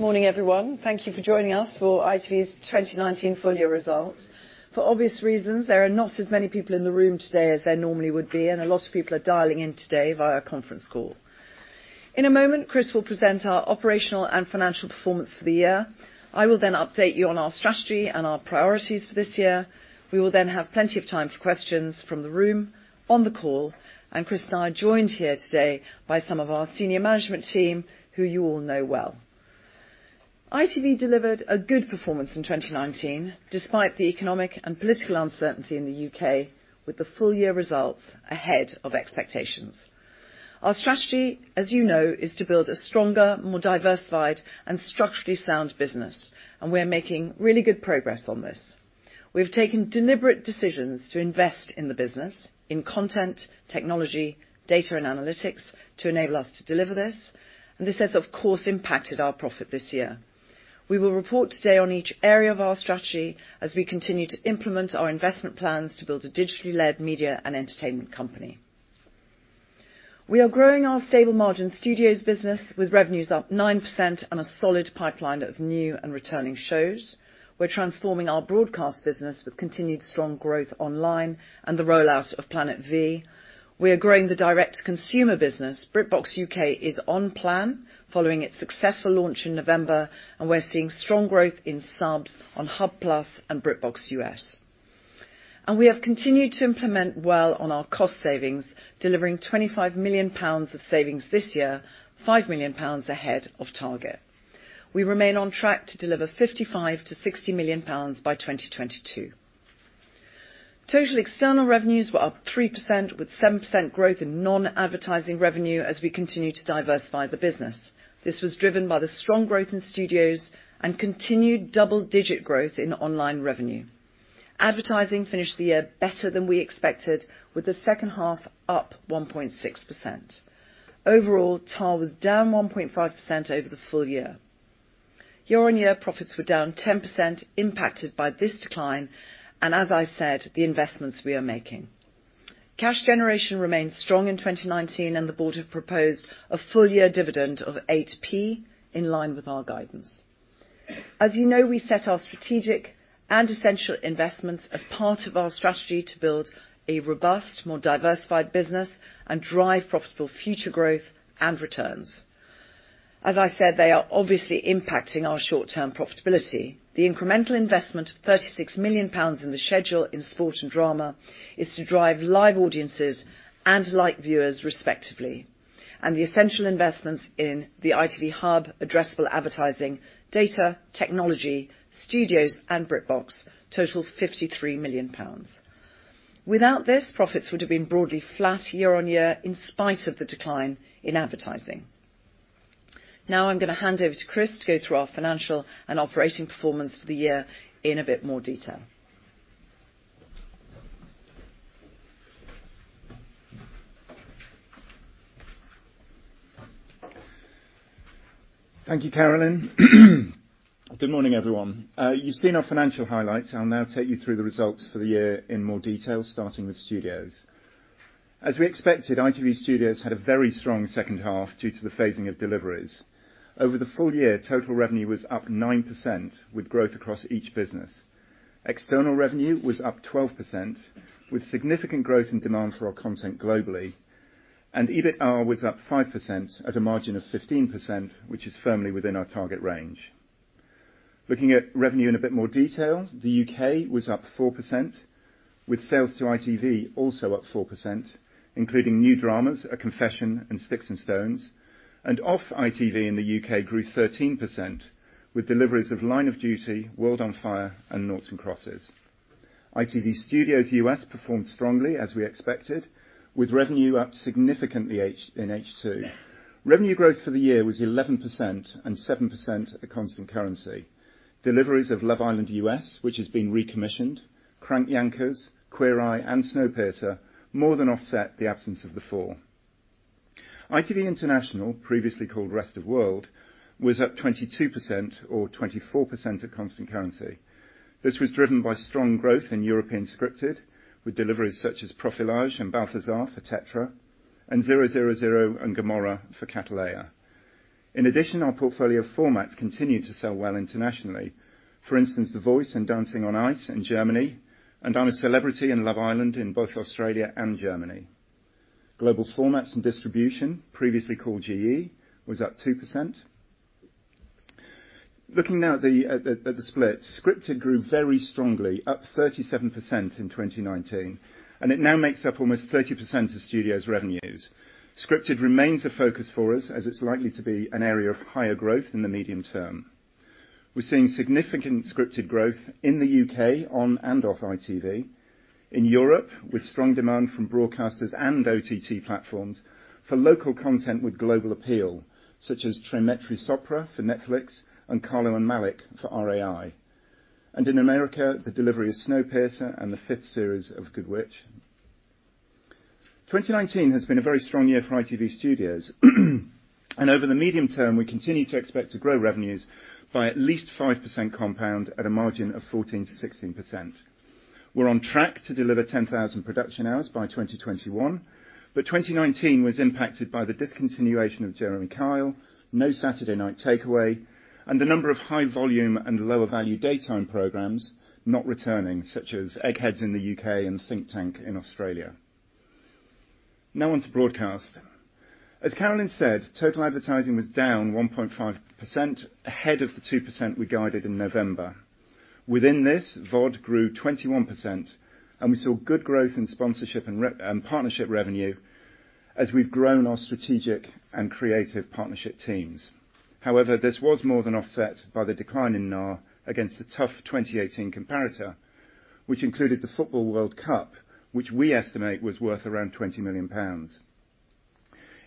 Morning, everyone. Thank you for joining us for ITV's 2019 Full Year Results. For obvious reasons, there are not as many people in the room today as there normally would be, and a lot of people are dialing in today via conference call. In a moment, Chris will present our operational and financial performance for the year. I will update you on our strategy and our priorities for this year. We will then have plenty of time for questions from the room, on the call, and Chris and I are joined here today by some of our senior management team, who you all know well. ITV delivered a good performance in 2019, despite the economic and political uncertainty in the U.K., with the full year results ahead of expectations. Our strategy, as you know, is to build a stronger, more diversified, and structurally sound business. We're making really good progress on this. We've taken deliberate decisions to invest in the business, in content, technology, data, and analytics to enable us to deliver this. This has, of course, impacted our profit this year. We will report today on each area of our strategy as we continue to implement our investment plans to build a digitally led media and entertainment company. We are growing our stable margin Studios business with revenues up 9% on a solid pipeline of new and returning shows. We're transforming our broadcast business with continued strong growth online and the rollout of Planet V. We are growing the direct consumer business. BritBox UK is on plan following its successful launch in November. We're seeing strong growth in subs on ITV Hub+ and BritBox US. We have continued to implement well on our cost savings, delivering 25 million pounds of savings this year, 5 million pounds ahead of target. We remain on track to deliver 55 million-60 million pounds by 2022. Total external revenues were up 3%, with 7% growth in non-advertising revenue as we continue to diversify the business. This was driven by the strong growth in studios and continued double-digit growth in online revenue. Advertising finished the year better than we expected, with the second half up 1.6%. Overall, TAR was down 1.5% over the full year. Year-on-year profits were down 10%, impacted by this decline and, as I said, the investments we are making. Cash generation remained strong in 2019, and the board have proposed a full year dividend of 0.08, in line with our guidance. As you know, we set our strategic and essential investments as part of our strategy to build a robust, more diversified business and drive profitable future growth and returns. As I said, they are obviously impacting our short-term profitability. The incremental investment of GBP 36 million in the schedule in sport and drama is to drive live audiences and light viewers, respectively. The essential investments in the ITV Hub, addressable advertising, data, technology, studios, and BritBox total 53 million pounds. Without this, profits would've been broadly flat year-on-year, in spite of the decline in advertising. I'm gonna hand over to Chris to go through our financial and operating performance for the year in a bit more detail. Thank you, Carolyn. Good morning, everyone. You've seen our financial highlights. I'll now take you through the results for the year in more detail, starting with studios. As we expected, ITV Studios had a very strong second half due to the phasing of deliveries. Over the full year, total revenue was up 9%, with growth across each business. External revenue was up 12%, with significant growth and demand for our content globally. EBITA was up 5% at a margin of 15%, which is firmly within our target range. Looking at revenue in a bit more detail, the U.K. was up 4%, with sales to ITV also up 4%, including new dramas, "A Confession" and "Sticks and Stones," and off ITV in the U.K. grew 13%, with deliveries of "Line of Duty," "World on Fire," and "Noughts and Crosses." ITV Studios US performed strongly, as we expected, with revenue up significantly in H2. Revenue growth for the year was 11% and 7% at constant currency. Deliveries of "Love Island US," which has been recommissioned, "Crank Yankers," "Queer Eye," and "Snowpiercer" more than offset the absence of "The Four." ITV International, previously called Rest of World, was up 22%, or 24% at constant currency. This was driven by strong growth in European scripted, with deliveries such as "Profilage" and "Balthazar" for Tetra, and "ZeroZeroZero" and "Gomorrah" for Cattleya. In addition, our portfolio formats continue to sell well internationally. For instance, "The Voice" and "Dancing on Ice" in Germany, and "I'm a Celebrity" and "Love Island" in both Australia and Germany. Global Formats and Distribution, previously called GE, was up 2%. Looking now at the split. Scripted grew very strongly, up 37% in 2019, and it now makes up almost 30% of Studios' revenues. Scripted remains a focus for us, as it's likely to be an area of higher growth in the medium term. We're seeing significant scripted growth in the U.K. on and off ITV. In Europe, with strong demand from broadcasters and OTT platforms for local content with global appeal, such as "Tre Metri Sopra" for Netflix, and "Carlo & Malik" for RAI. In the America, the delivery of "Snowpiercer" and the fifth series of "The Good Witch." 2019 has been a very strong year for ITV Studios, and over the medium term, we continue to expect to grow revenues by at least 5% compound at a margin of 14%-16%. We're on track to deliver 10,000 production hours by 2021. 2019 was impacted by the discontinuation of "The Jeremy Kyle Show", "no Saturday Night Takeaway", and the number of high volume and lower value daytime programs not returning, such as "Eggheads" in the U.K. and "Think Tank" in Australia. Now on to broadcast. As Carolyn said, total advertising was down 1.5%, ahead of the 2% we guided in November. Within this, VOD grew 21%, and we saw good growth in sponsorship and partnership revenue as we've grown our strategic and creative partnership teams. However, this was more than offset by the decline in NAR against the tough 2018 comparator, which included the Football World Cup, which we estimate was worth around 20 million pounds.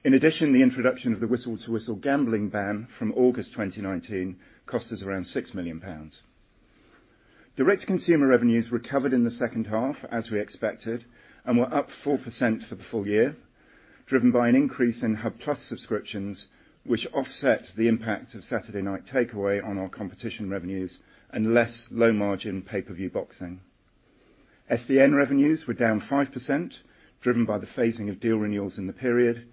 In addition, the introduction of the whistle-to-whistle gambling ban from August 2019 cost us around 6 million pounds. Direct-to-consumer revenues recovered in the second half, as we expected, and were up 4% for the full year, driven by an increase in Hub+ subscriptions, which offset the impact of "Saturday Night Takeaway" on our competition revenues and less low-margin pay-per-view boxing. SDN revenues were down 5%, driven by the phasing of deal renewals in the period,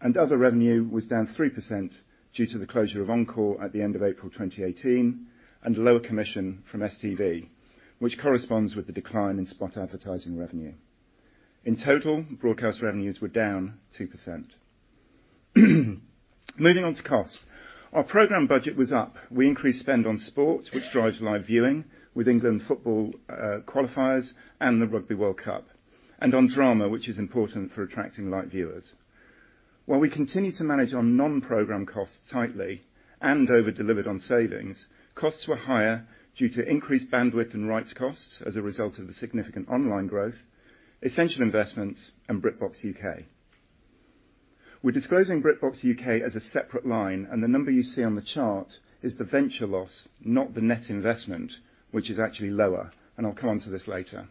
and other revenue was down 3% due to the closure of Encore at the end of April 2018 and lower commission from STV, which corresponds with the decline in spot advertising revenue. In total, broadcast revenues were down 2%. Moving on to cost. Our program budget was up. We increased spend on sport, which drives live viewing with England football qualifiers and the Rugby World Cup, and on drama, which is important for attracting live viewers. While we continue to manage our non-program costs tightly and over-delivered on savings, costs were higher due to increased bandwidth and rights costs as a result of the significant online growth, essential investments in BritBox UK. We are disclosing BritBox UK as a separate line, and the number you see on the chart is the venture loss, not the net investment, which is actually lower, and I will come onto this later.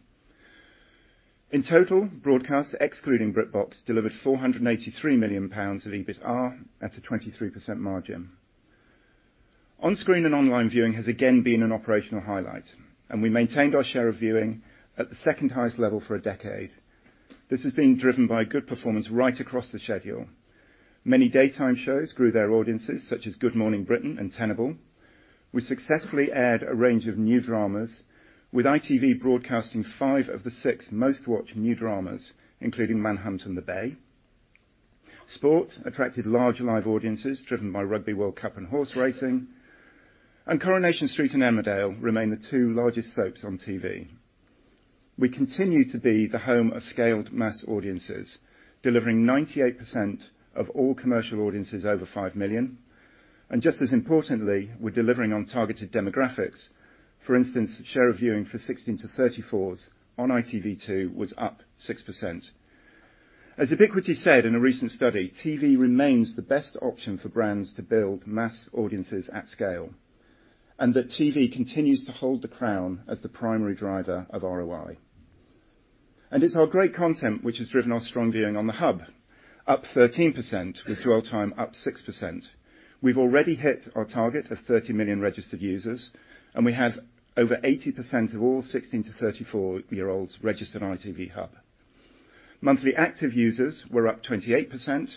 In total, broadcast, excluding BritBox, delivered 483 million pounds of EBITA at a 23% margin. On-screen and online viewing has again been an operational highlight, and we maintained our share of viewing at the second highest level for a decade. This has been driven by good performance right across the schedule. Many daytime shows grew their audiences, such as "Good Morning Britain" and "Tenable". We successfully aired a range of new dramas, with ITV broadcasting five of the six most watched new dramas, including "Manhunt" and "The Bay". Sport attracted large live audiences driven by Rugby World Cup and horse racing. "Coronation Street" and "Emmerdale" remain the two largest soaps on TV. We continue to be the home of scaled mass audiences, delivering 98% of all commercial audiences over five million. Just as importantly, we're delivering on targeted demographics. For instance, share of viewing for 16 to 34s on ITV2 was up 6%. As Ebiquity said in a recent study, "TV remains the best option for brands to build mass audiences at scale, and that TV continues to hold the crown as the primary driver of ROI". It's our great content which has driven our strong viewing on the Hub, up 13% with dwell time up 6%. We've already hit our target of 30 million registered users, and we have over 80% of all 16 to 34-year-olds registered on ITV Hub. Monthly active users were up 28%,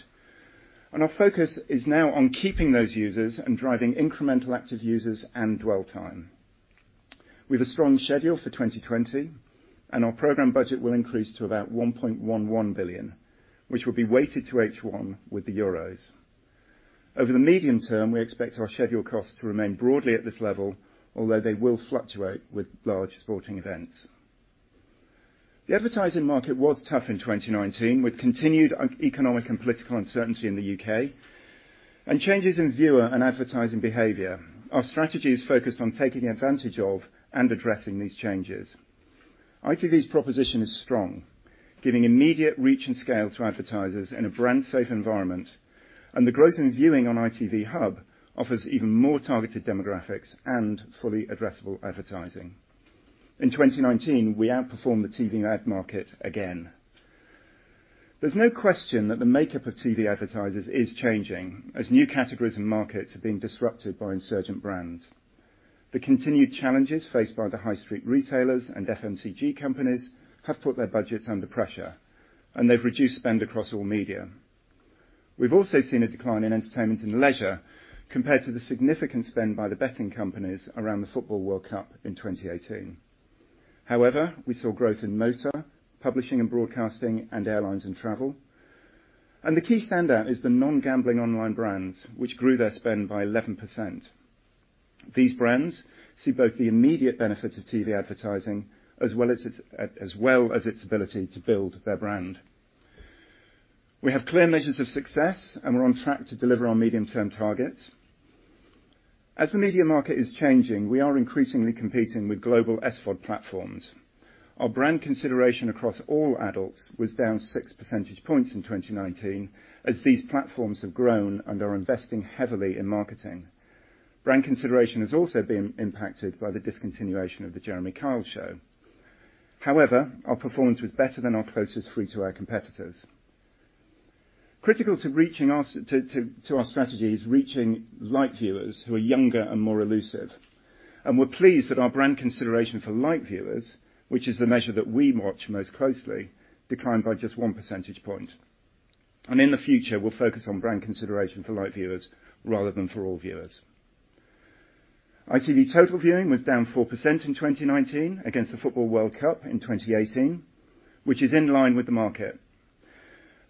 and our focus is now on keeping those users and driving incremental active users and dwell time. We've a strong schedule for 2020, and our program budget will increase to about 1.11 billion, which will be weighted to H1 with the Euros. Over the medium term, we expect our schedule costs to remain broadly at this level, although they will fluctuate with large sporting events. The advertising market was tough in 2019, with continued economic and political uncertainty in the U.K. and changes in viewer and advertising behavior. Our strategy is focused on taking advantage of and addressing these changes. ITV's proposition is strong, giving immediate reach and scale to advertisers in a brand safe environment, and the growth in viewing on ITV Hub offers even more targeted demographics and fully addressable advertising. In 2019, we outperformed the TV ad market again. There's no question that the makeup of TV advertisers is changing as new categories and markets are being disrupted by insurgent brands. The continued challenges faced by the high street retailers and FMCG companies have put their budgets under pressure, and they've reduced spend across all media. We've also seen a decline in entertainment and leisure compared to the significant spend by the betting companies around the FIFA World Cup in 2018. We saw growth in motor, publishing and broadcasting, and airlines and travel. The key standout is the non-gambling online brands, which grew their spend by 11%. These brands see both the immediate benefit of TV advertising as well as its ability to build their brand. We have clear measures of success, and we're on track to deliver our medium-term targets. As the media market is changing, we are increasingly competing with global SVOD platforms. Our brand consideration across all adults was down six percentage points in 2019 as these platforms have grown and are investing heavily in marketing. Brand consideration has also been impacted by the discontinuation of "The Jeremy Kyle Show". However, our performance was better than our closest free-to-air competitors. Critical to our strategy is reaching light viewers who are younger and more elusive. We're pleased that our brand consideration for light viewers, which is the measure that we watch most closely, declined by just one percentage point. In the future, we'll focus on brand consideration for light viewers rather than for all viewers. ITV total viewing was down 4% in 2019 against the Football World Cup in 2018, which is in line with the market.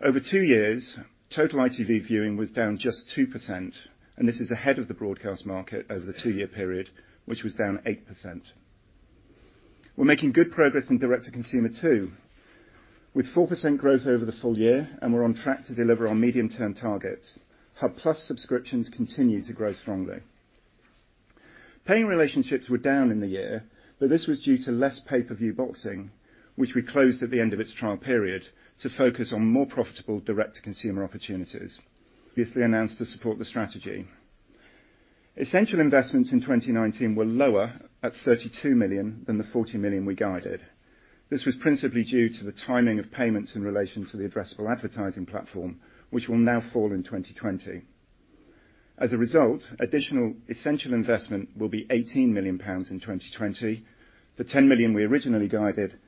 Over two years, total ITV viewing was down just 2%, and this is ahead of the broadcast market over the two-year period, which was down 8%. We're making good progress in direct-to-consumer, too, with 4% growth over the full year, and we're on track to deliver on medium-term targets. Hub+ subscriptions continue to grow strongly. Paying relationships were down in the year. This was due to less pay-per-view boxing, which we closed at the end of its trial period to focus on more profitable direct-to-consumer opportunities previously announced to support the strategy. Essential investments in 2019 were lower at 32 million than the 40 million we guided. This was principally due to the timing of payments in relation to the addressable advertising platform, which will now fall in 2020. As a result, additional essential investment will be 18 million pounds in 2020, the 10 million we originally guided,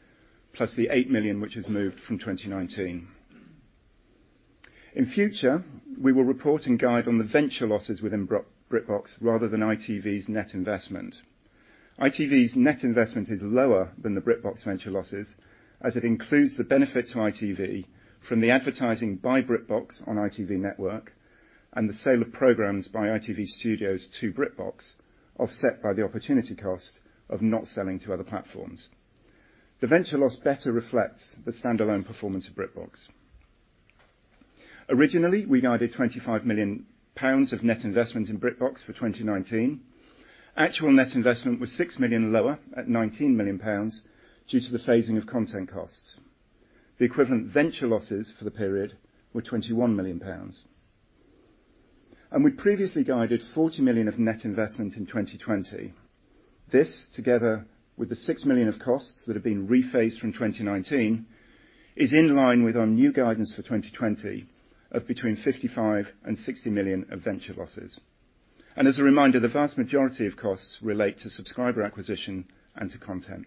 plus the 8 million which has moved from 2019. In future, we will report and guide on the venture losses within BritBox rather than ITV's net investment. ITV's net investment is lower than the BritBox venture losses, as it includes the benefit to ITV from the advertising by BritBox on ITV Network, and the sale of programs by ITV Studios to BritBox, offset by the opportunity cost of not selling to other platforms. The venture loss better reflects the standalone performance of BritBox. Originally, we guided 25 million pounds of net investment in BritBox for 2019. Actual net investment was 6 million lower at 19 million pounds due to the phasing of content costs. The equivalent venture losses for the period were 21 million pounds. We previously guided 40 million of net investment in 2020. This, together with the 6 million of costs that have been rephased from 2019, is in line with our new guidance for 2020 of between 55 million and 60 million of venture losses. As a reminder, the vast majority of costs relate to subscriber acquisition and to content.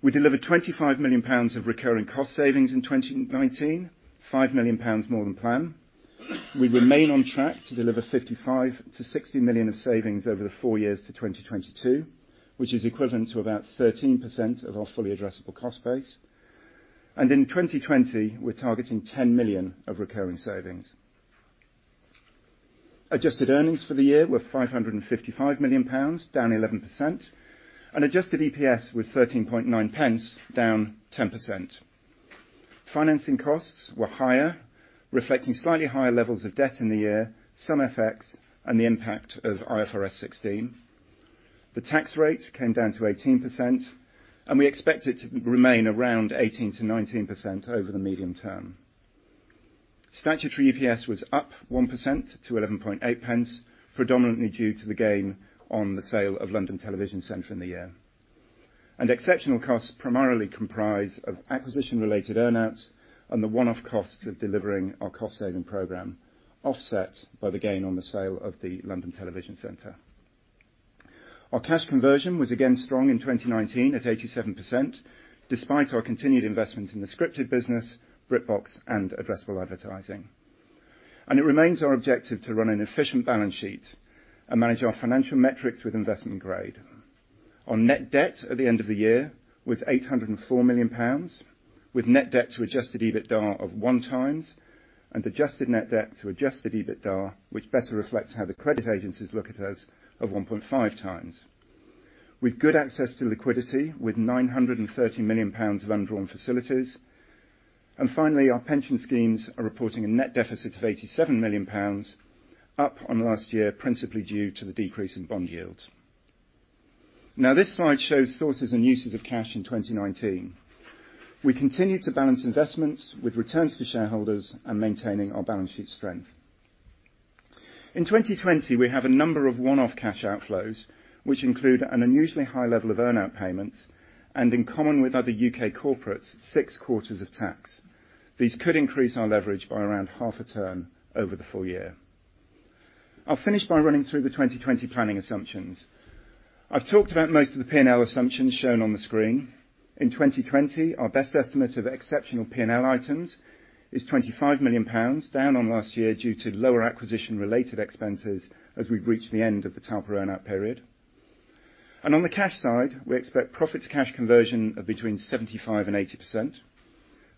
We delivered 25 million pounds of recurring cost savings in 2019, 5 million pounds more than planned. We remain on track to deliver 55 million to 60 million of savings over the four years to 2022, which is equivalent to about 13% of our fully addressable cost base. In 2020, we're targeting 10 million of recurring savings. Adjusted earnings for the year were 555 million pounds, down 11%, and adjusted EPS was 0.139, down 10%. Financing costs were higher, reflecting slightly higher levels of debt in the year, some effects, and the impact of IFRS 16. The tax rate came down to 18%, we expect it to remain around 18%-19% over the medium term. Statutory EPS was up 1% to 0.118, predominantly due to the gain on the sale of London Television Centre in the year. Exceptional costs primarily comprise of acquisition-related earn-outs and the one-off costs of delivering our cost-saving program, offset by the gain on the sale of the London Television Centre. Our cash conversion was again strong in 2019 at 87%, despite our continued investments in the scripted business, BritBox, and addressable advertising. It remains our objective to run an efficient balance sheet and manage our financial metrics with investment grade. Our net debt at the end of the year was 804 million pounds, with net debt to adjusted EBITDA of 1x, and adjusted net debt to adjusted EBITDA, which better reflects how the credit agencies look at us, of 1.5x. With good access to liquidity, with 930 million pounds of undrawn facilities. Finally, our pension schemes are reporting a net deficit of 87 million pounds, up on last year, principally due to the decrease in bond yields. This slide shows sources and uses of cash in 2019. We continue to balance investments with returns for shareholders and maintaining our balance sheet strength. In 2020, we have a number of one-off cash outflows, which include an unusually high level of earn-out payments, and in common with other U.K. corporates, six quarters of tax. These could increase our leverage by around half a term over the full year. I'll finish by running through the 2020 planning assumptions. I've talked about most of the P&L assumptions shown on the screen. In 2020, our best estimate of exceptional P&L items is 25 million pounds, down on last year due to lower acquisition-related expenses as we've reached the end of the Talpa earn-out period. On the cash side, we expect profit to cash conversion of between 75% and 80%.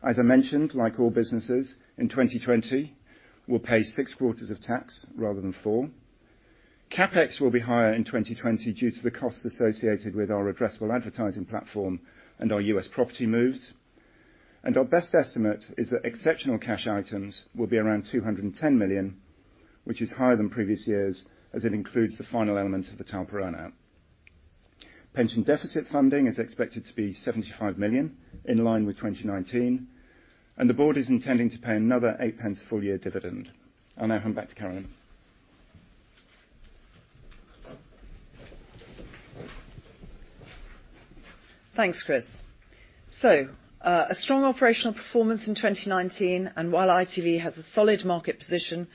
As I mentioned, like all businesses, in 2020, we'll pay six quarters of tax rather than four. CapEx will be higher in 2020 due to the costs associated with our addressable advertising platform and our U.S. property moves. Our best estimate is that exceptional cash items will be around 210 million, which is higher than previous years as it includes the final element of the Talpa earn-out. Pension deficit funding is expected to be 75 million, in line with 2019, and the board is intending to pay another 0.08 full-year dividend. I'll now hand back to Carolyn. Thanks, Chris. A strong operational performance in 2019, and while ITV has a solid market position,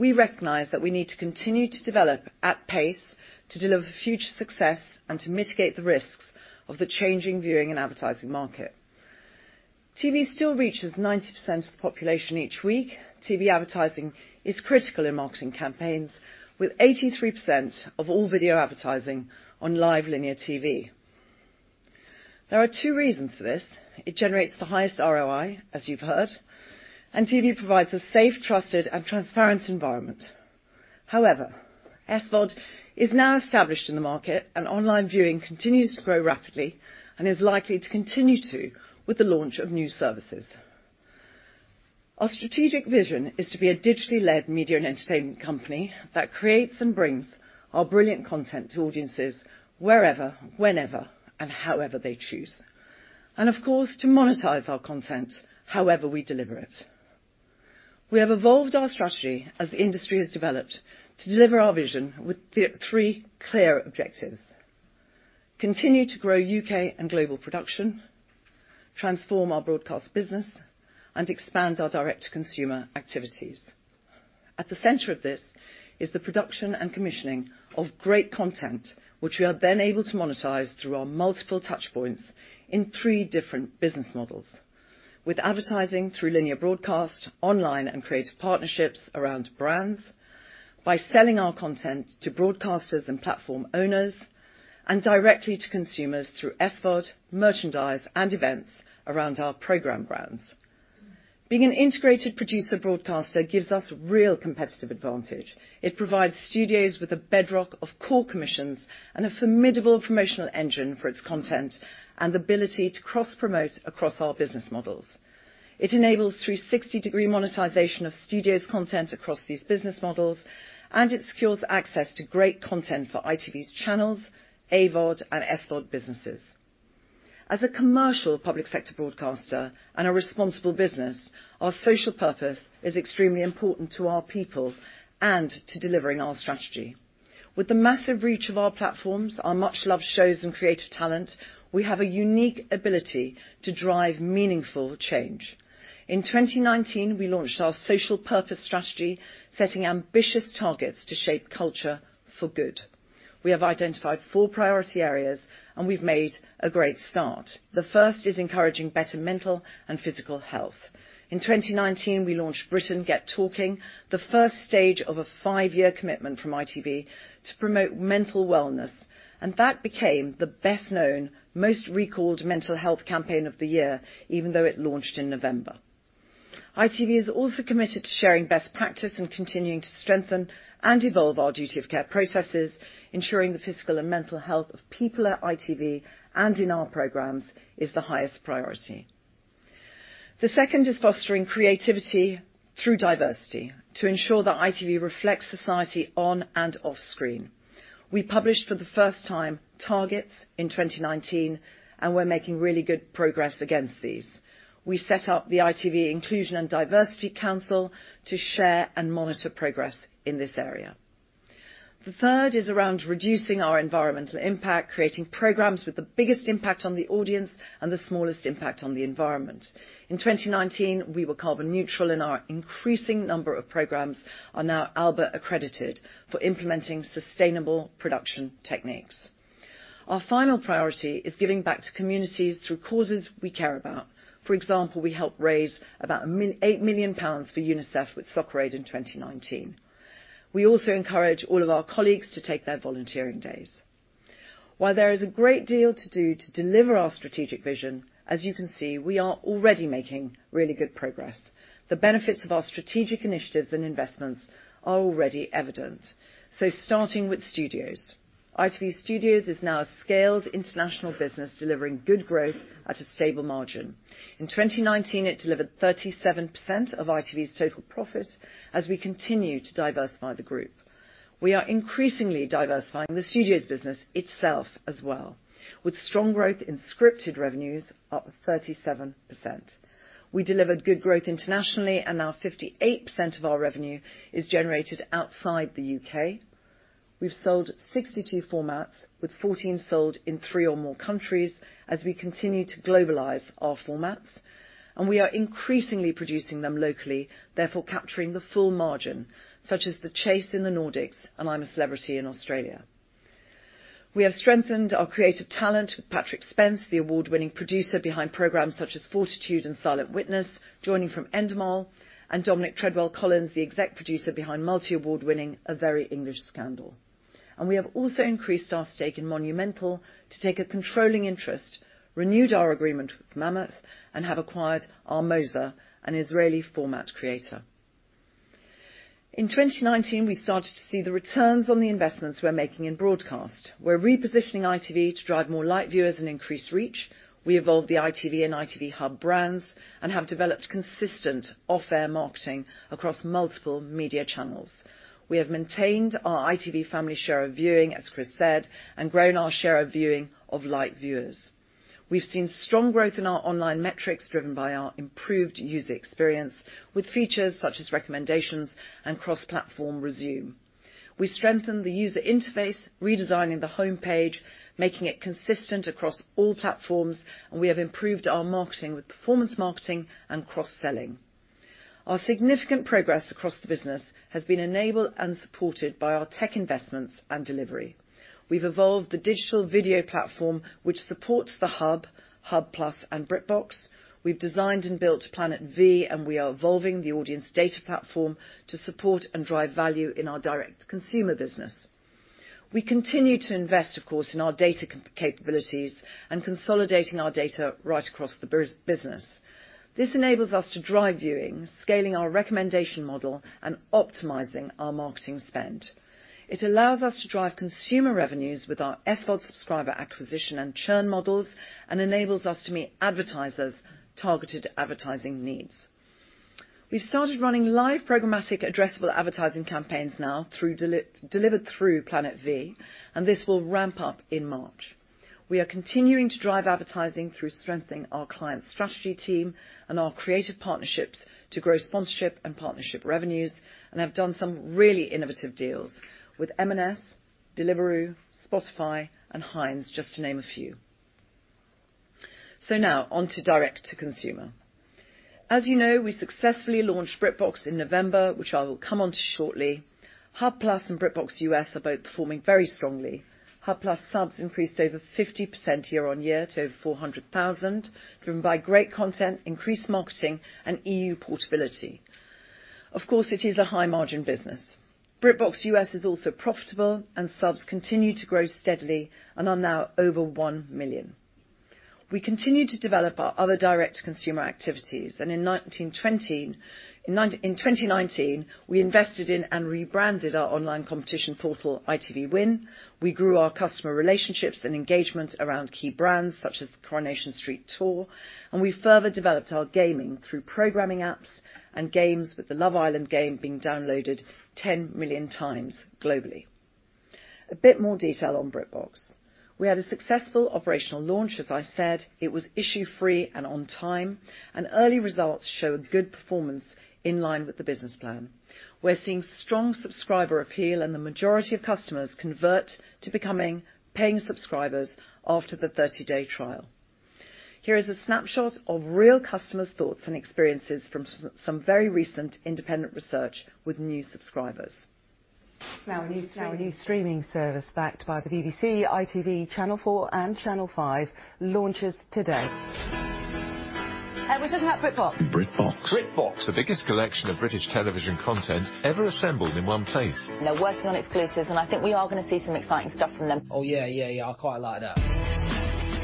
we recognize that we need to continue to develop at pace to deliver future success and to mitigate the risks of the changing viewing and advertising market. TV still reaches 90% of the population each week. TV advertising is critical in marketing campaigns, with 83% of all video advertising on live linear TV. There are two reasons for this. It generates the highest ROI, as you've heard, and TV provides a safe, trusted, and transparent environment. However, SVOD is now established in the market, and online viewing continues to grow rapidly and is likely to continue to with the launch of new services. Our strategic vision is to be a digitally led media and entertainment company that creates and brings our brilliant content to audiences wherever, whenever, and however they choose. Of course, to monetize our content however we deliver it. We have evolved our strategy as the industry has developed to deliver our vision with three clear objectives: continue to grow U.K. and global production, transform our broadcast business, and expand our direct-to-consumer activities. At the center of this is the production and commissioning of great content, which we are then able to monetize through our multiple touchpoints in three different business models. With advertising through linear broadcast, online and creative partnerships around brands, by selling our content to broadcasters and platform owners, and directly to consumers through SVOD, merchandise, and events around our program brands. Being an integrated producer broadcaster gives us real competitive advantage. It provides ITV Studios with a bedrock of core commissions and a formidable promotional engine for its content and the ability to cross-promote across our business models. It enables 360-degree monetization of Studios' content across these business models. It secures access to great content for ITV's channels, AVOD, and SVOD businesses. As a commercial public service broadcaster and a responsible business, our social purpose is extremely important to our people and to delivering our strategy. With the massive reach of our platforms, our much-loved shows, and creative talent, we have a unique ability to drive meaningful change. In 2019, we launched our social purpose strategy, setting ambitious targets to shape culture for good. We have identified four priority areas. We've made a great start. The first is encouraging better mental and physical health. In 2019, we launched Britain Get Talking, the first stage of a five-year commitment from ITV to promote mental wellness. That became the best-known, most recalled mental health campaign of the year, even though it launched in November. ITV is also committed to sharing best practice and continuing to strengthen and evolve our duty of care processes, ensuring the physical and mental health of people at ITV and in our programs is the highest priority. The second is fostering creativity through diversity to ensure that ITV reflects society on and off screen. We published for the first time targets in 2019. We're making really good progress against these. We set up the ITV Inclusion and Diversity Council to share and monitor progress in this area. The third is around reducing our environmental impact, creating programs with the biggest impact on the audience and the smallest impact on the environment. In 2019, we were carbon neutral. Our increasing number of programs are now albert-accredited for implementing sustainable production techniques. Our final priority is giving back to communities through causes we care about. For example, we helped raise about 8 million pounds for UNICEF with Soccer Aid in 2019. We also encourage all of our colleagues to take their volunteering days. While there is a great deal to do to deliver our strategic vision, as you can see, we are already making really good progress. The benefits of our strategic initiatives and investments are already evident. Starting with Studios. ITV Studios is now a scaled international business delivering good growth at a stable margin. In 2019, it delivered 37% of ITV's total profit as we continue to diversify the group. We are increasingly diversifying the Studios business itself as well, with strong growth in scripted revenues up 37%. We delivered good growth internationally, and now 58% of our revenue is generated outside the U.K. We've sold 62 formats, with 14 sold in three or more countries as we continue to globalize our formats. We are increasingly producing them locally, therefore capturing the full margin, such as "The Chase" in the Nordics and "I'm a Celebrity" in Australia. We have strengthened our creative talent with Patrick Spence, the award-winning producer behind programs such as "Fortitude" and "Silent Witness", joining from Endemol, and Dominic Treadwell-Collins, the Executive Producer behind multi-award-winning "A Very English Scandal". We have also increased our stake in Monumental to take a controlling interest, renewed our agreement with Mammoth, and have acquired Armoza, an Israeli format creator. In 2019, we started to see the returns on the investments we're making in broadcast. We're repositioning ITV to drive more light viewers and increase reach. We evolved the ITV and ITV Hub brands and have developed consistent off-air marketing across multiple media channels. We have maintained our ITV family share of viewing, as Chris said, and grown our share of viewing of light viewers. We've seen strong growth in our online metrics driven by our improved user experience with features such as recommendations and cross-platform resume. We strengthened the user interface, redesigning the homepage, making it consistent across all platforms, and we have improved our marketing with performance marketing and cross-selling. Our significant progress across the business has been enabled and supported by our tech investments and delivery. We've evolved the digital video platform, which supports the ITV Hub, ITV Hub+, and BritBox. We've designed and built Planet V, and we are evolving the audience data platform to support and drive value in our direct consumer business. We continue to invest, of course, in our data capabilities and consolidating our data right across the business. This enables us to drive viewing, scaling our recommendation model, and optimizing our marketing spend. It allows us to drive consumer revenues with our SVOD subscriber acquisition and churn models, and enables us to meet advertisers' targeted advertising needs. We've started running live programmatic addressable advertising campaigns now, delivered through Planet V, and this will ramp up in March. We are continuing to drive advertising through strengthening our client strategy team and our creative partnerships to grow sponsorship and partnership revenues, and have done some really innovative deals with M&S, Deliveroo, Spotify, and Heinz, just to name a few. Now, on to direct-to-consumer. As you know, we successfully launched BritBox in November, which I will come onto shortly. ITV Hub+ and BritBox US are both performing very strongly. ITV Hub+ subs increased over 50% year-on-year to over 400,000, driven by great content, increased marketing, and EU portability. Of course, it is a high-margin business. BritBox US is also profitable, and subs continue to grow steadily and are now over 1 million. We continue to develop our other direct consumer activities, and in 2019, we invested in and rebranded our online competition portal, ITV Win. We grew our customer relationships and engagement around key brands, such as the "Coronation Street" tour, and we further developed our gaming through programming apps and games with the "Love Island" game being downloaded 10 million times globally. A bit more detail on BritBox. We had a successful operational launch, as I said. It was issue free and on time, and early results show a good performance in line with the business plan. We're seeing strong subscriber appeal, and the majority of customers convert to becoming paying subscribers after the 30-day trial. Here is a snapshot of real customers' thoughts and experiences from some very recent independent research with new subscribers. A new streaming service backed by the BBC, ITV, Channel 4, and Channel 5 launches today. Hey, we're talking about BritBox. BritBox. BritBox. The biggest collection of British television content ever assembled in one place. They're working on exclusives, and I think we are going to see some exciting stuff from them. Oh, yeah. I quite like that.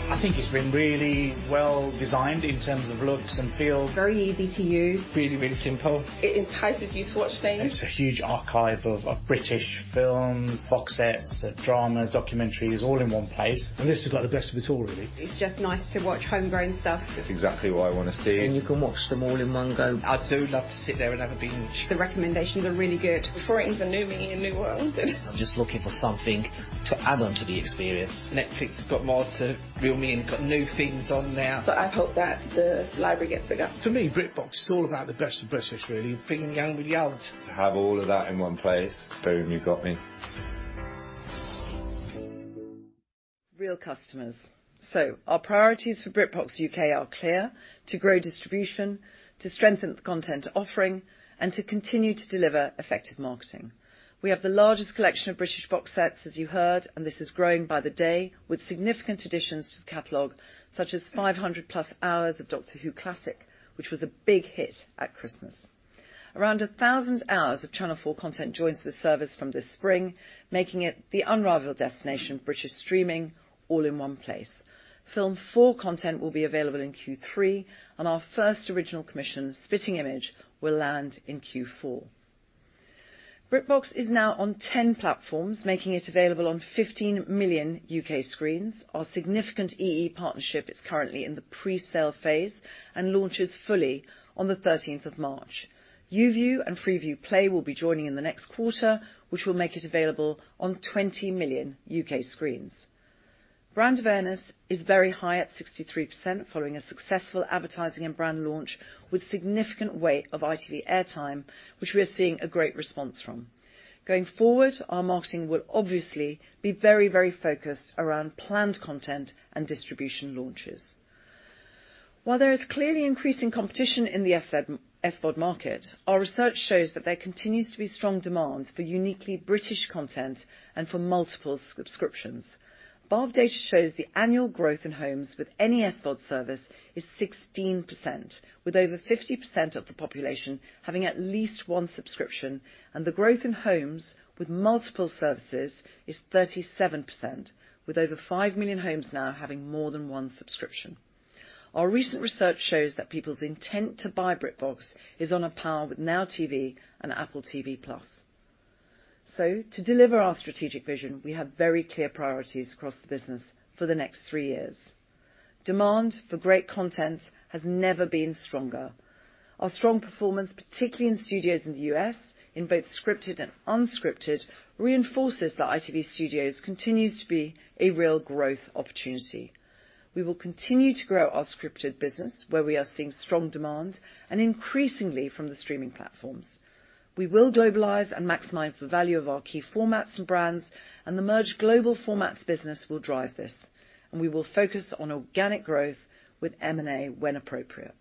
I think it's been really well-designed in terms of looks and feel. Very easy to use. Really, really simple. It entices you to watch things. It's a huge archive of British films, box sets, dramas, documentaries all in one place. This has got the best of it all, really. It's just nice to watch homegrown stuff. It's exactly what I want to see. You can watch them all in one go. I do love to sit there and have a binge. The recommendations are really good. It's bringing the new me a new world. I'm just looking for something to add on to the experience. Netflix have got more to reel me in, got new things on now. I hope that the library gets bigger. For me, BritBox is all about the best of British, really. Bringing home the yield. To have all of that in one place, very new got me. Real customers. Our priorities for BritBox UK are clear: to grow distribution, to strengthen the content offering, and to continue to deliver effective marketing. We have the largest collection of British box sets, as you heard, and this is growing by the day with significant additions to the catalog, such as 500-plus hours of "Doctor Who" Classic, which was a big hit at Christmas. Around 1,000 hours of Channel 4 content joins the service from this spring, making it the unrivaled destination of British streaming all in one place. Film4 content will be available in Q3, and our first original commission, "Spitting Image," will land in Q4. BritBox is now on 10 platforms, making it available on 15 million U.K. screens. Our significant EE partnership is currently in the presale phase and launches fully on the 13th of March. YouView and Freeview Play will be joining in the next quarter, which will make it available on 20 million U.K. screens. Brand awareness is very high at 63%, following a successful advertising and brand launch with significant weight of ITV airtime, which we are seeing a great response from. Going forward, our marketing will obviously be very focused around planned content and distribution launches. While there is clearly increasing competition in the SVOD market, our research shows that there continues to be strong demand for uniquely British content and for multiple subscriptions. BARB data shows the annual growth in homes with any SVOD service is 16%, with over 50% of the population having at least one subscription, and the growth in homes with multiple services is 37%, with over 5 million homes now having more than one subscription. Our recent research shows that people's intent to buy BritBox is on a par with Now TV and Apple TV+. To deliver our strategic vision, we have very clear priorities across the business for the next three years. Demand for great content has never been stronger. Our strong performance, particularly in studios in the U.S., in both scripted and unscripted, reinforces that ITV Studios continues to be a real growth opportunity. We will continue to grow our scripted business, where we are seeing strong demand, and increasingly from the streaming platforms. We will globalize and maximize the value of our key formats and brands, and the merged global formats business will drive this, and we will focus on organic growth with M&A when appropriate.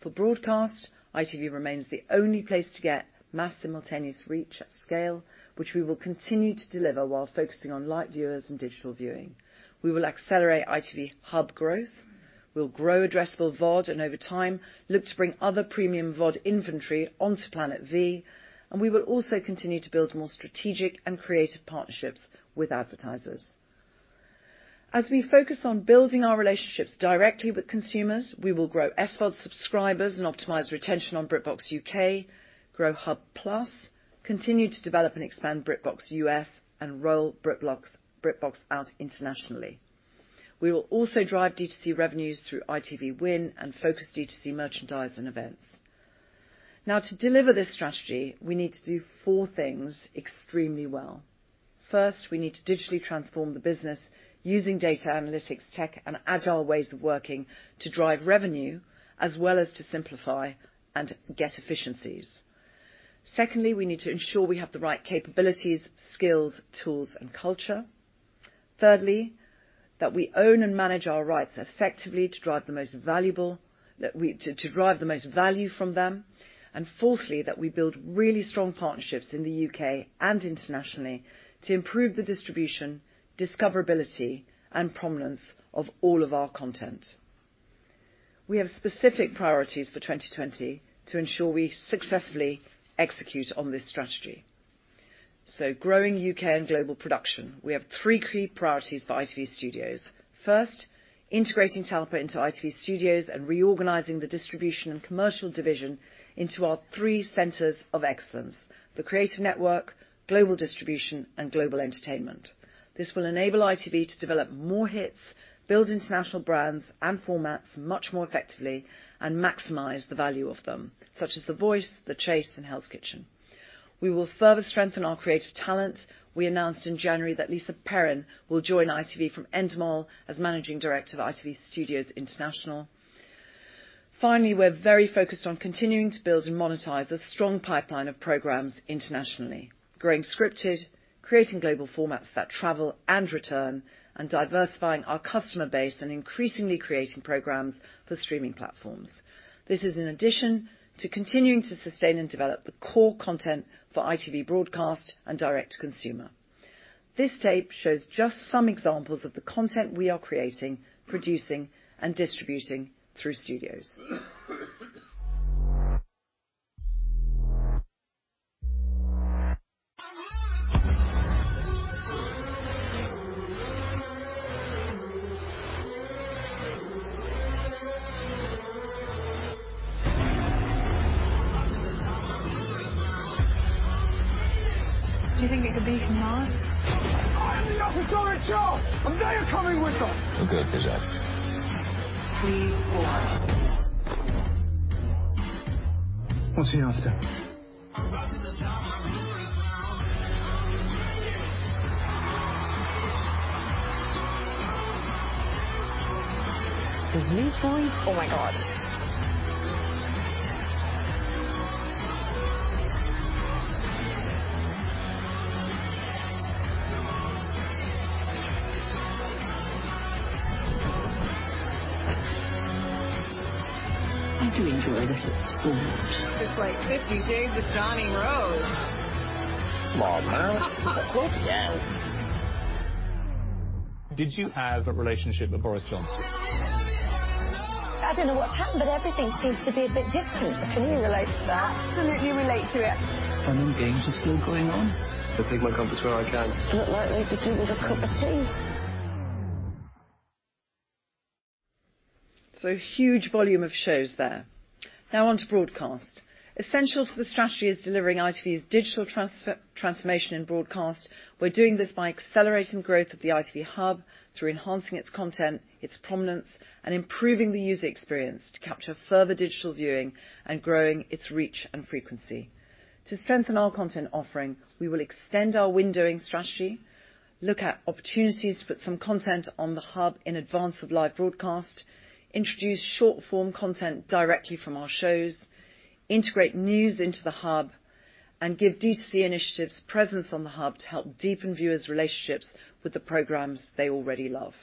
For broadcast, ITV remains the only place to get mass simultaneous reach at scale, which we will continue to deliver while focusing on light viewers and digital viewing. We will accelerate ITV Hub growth. We'll grow addressable VOD, and over time, look to bring other premium VOD inventory onto Planet V. We will also continue to build more strategic and creative partnerships with advertisers. As we focus on building our relationships directly with consumers, we will grow SVOD subscribers and optimize retention on BritBox UK, grow Hub+, continue to develop and expand BritBox US, and roll BritBox out internationally. We will also drive D2C revenues through ITV Win and focus D2C merchandise and events. To deliver this strategy, we need to do four things extremely well. We need to digitally transform the business using data analytics, tech, and agile ways of working to drive revenue, as well as to simplify and get efficiencies. We need to ensure we have the right capabilities, skills, tools, and culture. That we own and manage our rights effectively to drive the most value from them. That we build really strong partnerships in the U.K. and internationally to improve the distribution, discoverability, and prominence of all of our content. We have specific priorities for 2020 to ensure we successfully execute on this strategy. Growing U.K. and global production, we have three key priorities for ITV Studios. Integrating Talpa into ITV Studios and reorganizing the distribution and commercial division into our three centers of excellence, the Creative Network, Global Distribution, and Global Entertainment. This will enable ITV to develop more hits, build international brands and formats much more effectively, and maximize the value of them, such as The Voice, The Chase, and Hell's Kitchen. We will further strengthen our creative talent. We announced in January that Lisa Perrin will join ITV from Endemol as Managing Director of ITV Studios International. We're very focused on continuing to build and monetize a strong pipeline of programs internationally, growing scripted, creating global formats that travel and return, and diversifying our customer base and increasingly creating programs for streaming platforms. This is in addition to continuing to sustain and develop the core content for ITV broadcast and direct to consumer. This tape shows just some examples of the content we are creating, producing, and distributing through ITV Studios. Do you think it could be from Mars? I am the officer in charge, and they are coming with us. We're good, Bizat. Three, four. What's he after? Is this boy? Oh my God. I do enjoy this so much. It's like Fifty Shades with Dani Rose. Come on, man. Bloody hell. Did you have a relationship with Boris Johnson? I don't know what's happened, but everything seems to be a bit different. I can relate to that. Absolutely relate to it. Fun and games are still going on. I take my comfort where I can. Feel like they could do with a cup of tea. A huge volume of shows there. Now on to broadcast. Essential to the strategy is delivering ITV's digital transformation in broadcast. We are doing this by accelerating growth of the ITV Hub through enhancing its content, its prominence, and improving the user experience to capture further digital viewing and growing its reach and frequency. To strengthen our content offering, we will extend our windowing strategy, look at opportunities to put some content on the Hub in advance of live broadcast, introduce short-form content directly from our shows, integrate news into the Hub, and give D2C initiatives presence on the Hub to help deepen viewers' relationships with the programs they already love.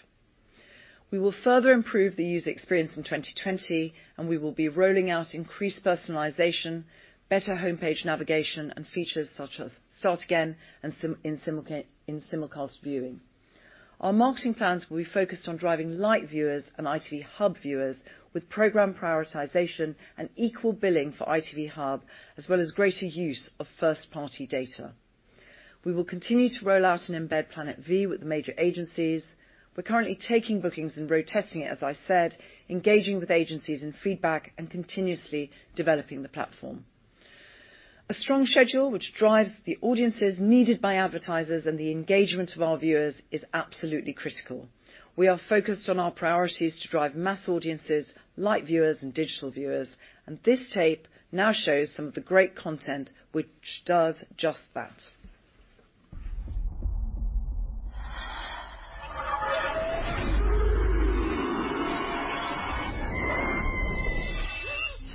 We will further improve the user experience in 2020, and we will be rolling out increased personalization, better homepage navigation, and features such as start again and simulcast viewing. Our marketing plans will be focused on driving light viewers and ITV Hub viewers with program prioritization and equal billing for ITV Hub, as well as greater use of first-party data. We will continue to roll out and embed Planet V with the major agencies. We're currently taking bookings and road testing it, as I said, engaging with agencies and feedback, and continuously developing the platform. A strong schedule which drives the audiences needed by advertisers and the engagement of our viewers is absolutely critical. We are focused on our priorities to drive mass audiences, light viewers, and digital viewers, this tape now shows some of the great content which does just that.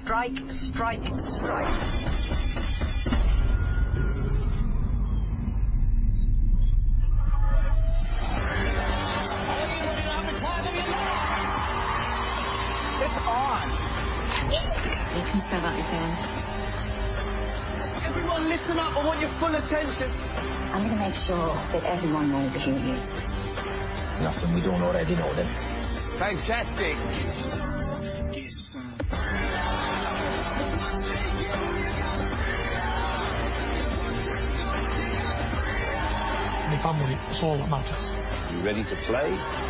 Strike. Strike. Strike. Ladies and gentlemen, I present to you, love. It's on. You can say that again. Everyone, listen up. I want your full attention. I'm going to make sure that everyone knows your name. Nothing we don't already know then. Fantastic. Get some freedom. Well, well, well, you got the freedom. My family is all that matters. You ready to play?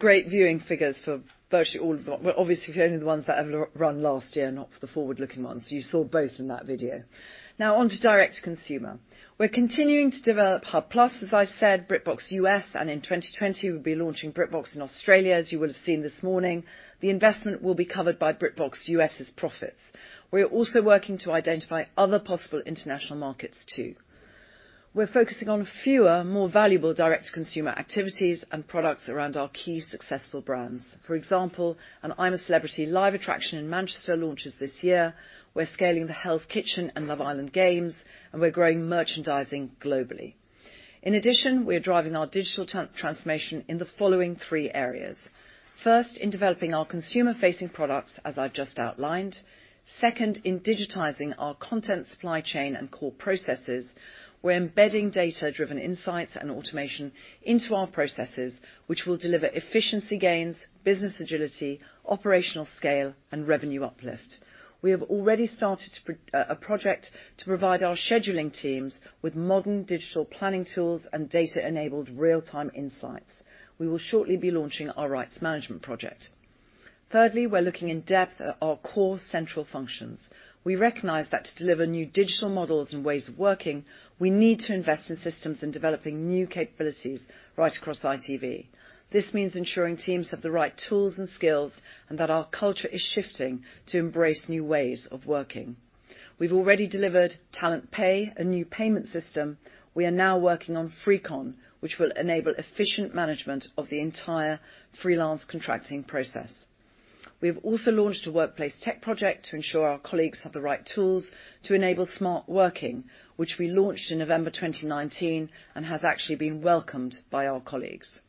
Great viewing figures for virtually all of them. Well, obviously, only the ones that have run last year, not the forward-looking ones. You saw both in that video. On to direct consumer. We're continuing to develop Hub+, as I've said, BritBox US, and in 2020, we'll be launching BritBox in Australia, as you will have seen this morning. The investment will be covered by BritBox US's profits. We are also working to identify other possible international markets too. We're focusing on fewer, more valuable direct-to-consumer activities and products around our key successful brands. For example, an I'm a Celebrity live attraction in Manchester launches this year. We're scaling the Hell's Kitchen and Love Island games, and we're growing merchandising globally. In addition, we are driving our digital transformation in the following three areas. First, in developing our consumer-facing products, as I've just outlined. In digitizing our content supply chain and core processes. We're embedding data-driven insights and automation into our processes, which will deliver efficiency gains, business agility, operational scale, and revenue uplift. We have already started a project to provide our scheduling teams with modern digital planning tools and data-enabled real-time insights. We will shortly be launching our rights management project. We're looking in depth at our core central functions. We recognize that to deliver new digital models and ways of working, we need to invest in systems in developing new capabilities right across ITV. This means ensuring teams have the right tools and skills and that our culture is shifting to embrace new ways of working. We've already delivered Talent Pay, a new payment system. We are now working on FreeCon, which will enable efficient management of the entire freelance contracting process. We have also launched a workplace tech project to ensure our colleagues have the right tools to enable smart working, which we launched in November 2019 and has actually been welcomed by our colleagues.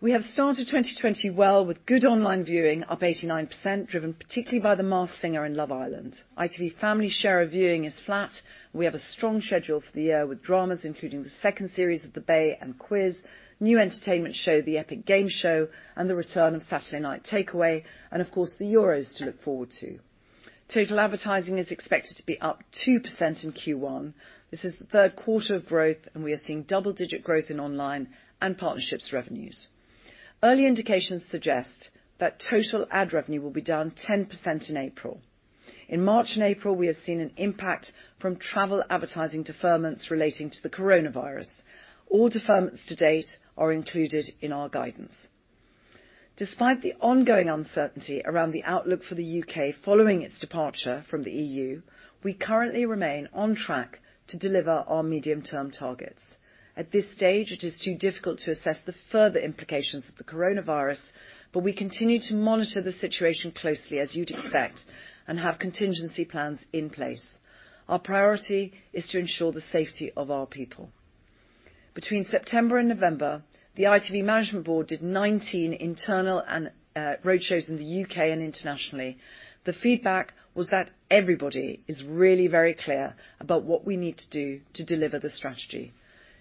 We have started 2020 well, with good online viewing up 89%, driven particularly by The Masked Singer and Love Island. ITV family share of viewing is flat. We have a strong schedule for the year with dramas including the second series of The Bay and Quiz, new entertainment show, The Epic Game Show, and the return of Saturday Night Takeaway, and of course, the Euros to look forward to. Total advertising is expected to be up 2% in Q1. This is the third quarter of growth, and we are seeing double-digit growth in online and partnerships revenues. Early indications suggest that total ad revenue will be down 10% in April. In March and April, we have seen an impact from travel advertising deferments relating to the coronavirus. All deferments to date are included in our guidance. Despite the ongoing uncertainty around the outlook for the U.K. following its departure from the EU, we currently remain on track to deliver our medium-term targets. At this stage, it is too difficult to assess the further implications of the coronavirus, but we continue to monitor the situation closely, as you'd expect, and have contingency plans in place. Our priority is to ensure the safety of our people. Between September and November, the ITV Management Board did 19 internal and roadshows in the U.K. and internationally. The feedback was that everybody is really very clear about what we need to do to deliver the strategy.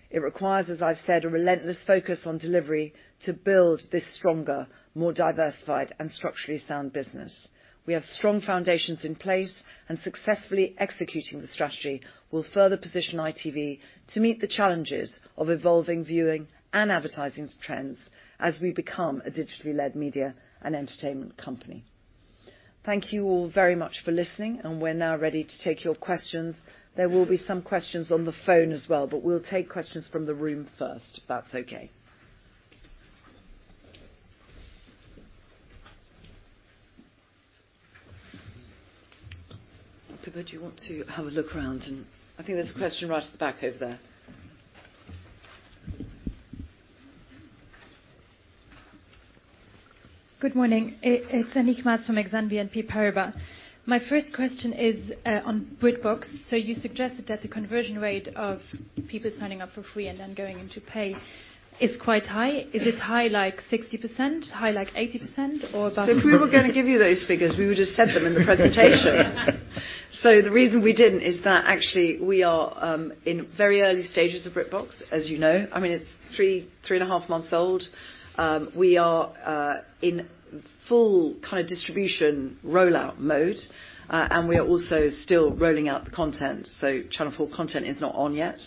It requires, as I've said, a relentless focus on delivery to build this stronger, more diversified, and structurally sound business. We have strong foundations in place. Successfully executing the strategy will further position ITV to meet the challenges of evolving viewing and advertising trends as we become a digitally led media and entertainment company. Thank you all very much for listening. We're now ready to take your questions. There will be some questions on the phone as well. We'll take questions from the room first, if that's okay. Pippa, do you want to have a look around. I think there's a question right at the back over there. Good morning. It's Annick Maas from Exane BNP Paribas. My first question is on BritBox. You suggested that the conversion rate of people signing up for free and then going into pay is quite high. Is it high like 60%, high like 80%? If we were going to give you those figures, we would have said them in the presentation. The reason we didn't is that actually we are in very early stages of BritBox, as you know. It's three and a half months old. We are in full kind of distribution rollout mode, and we are also still rolling out the content. Channel 4 content is not on yet.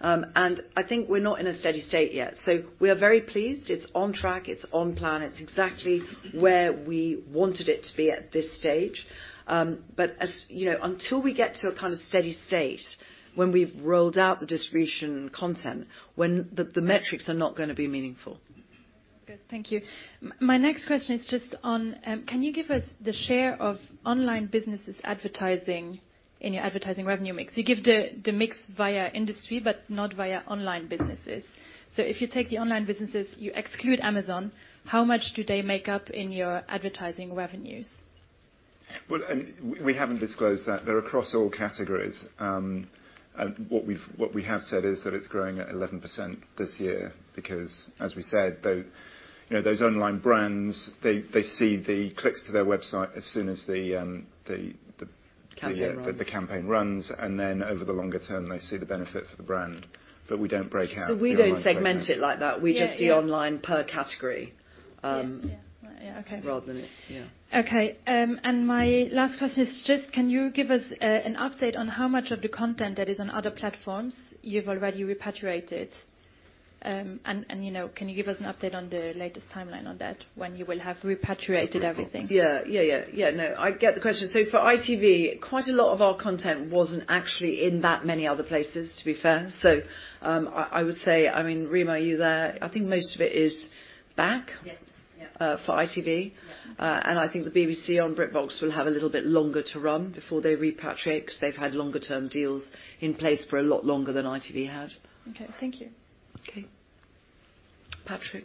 I think we're not in a steady state yet. We are very pleased it's on track, it's on plan, it's exactly where we wanted it to be at this stage. Until we get to a kind of steady state when we've rolled out the distribution content, when the metrics are not going to be meaningful. Good, thank you. My next question is just on, can you give us the share of online businesses advertising in your advertising revenue mix? You give the mix via industry, but not via online businesses. If you take the online businesses, you exclude Amazon, how much do they make up in your advertising revenues? Well, we haven't disclosed that. They're across all categories. What we have said is that it's growing at 11% this year because, as we said, those online brands, they see the clicks to their website. The campaign runs. The campaign runs. Over the longer term, they see the benefit for the brand. We don't break out the online- We don't segment it like that. Yeah. We just see online per category. Yeah. Okay. Rather than, yeah. Okay. My last question is just can you give us an update on how much of the content that is on other platforms you've already repatriated? Can you give us an update on the latest timeline on that, when you will have repatriated everything? Yeah. No, I get the question. For ITV, quite a lot of our content wasn't actually in that many other places, to be fair. I would say, Rima, are you there? I think most of it is back, Yes for ITV. Yeah. I think the BBC on BritBox will have a little bit longer to run before they repatriate, because they've had longer term deals in place for a lot longer than ITV had. Okay. Thank you. Okay. Patrick.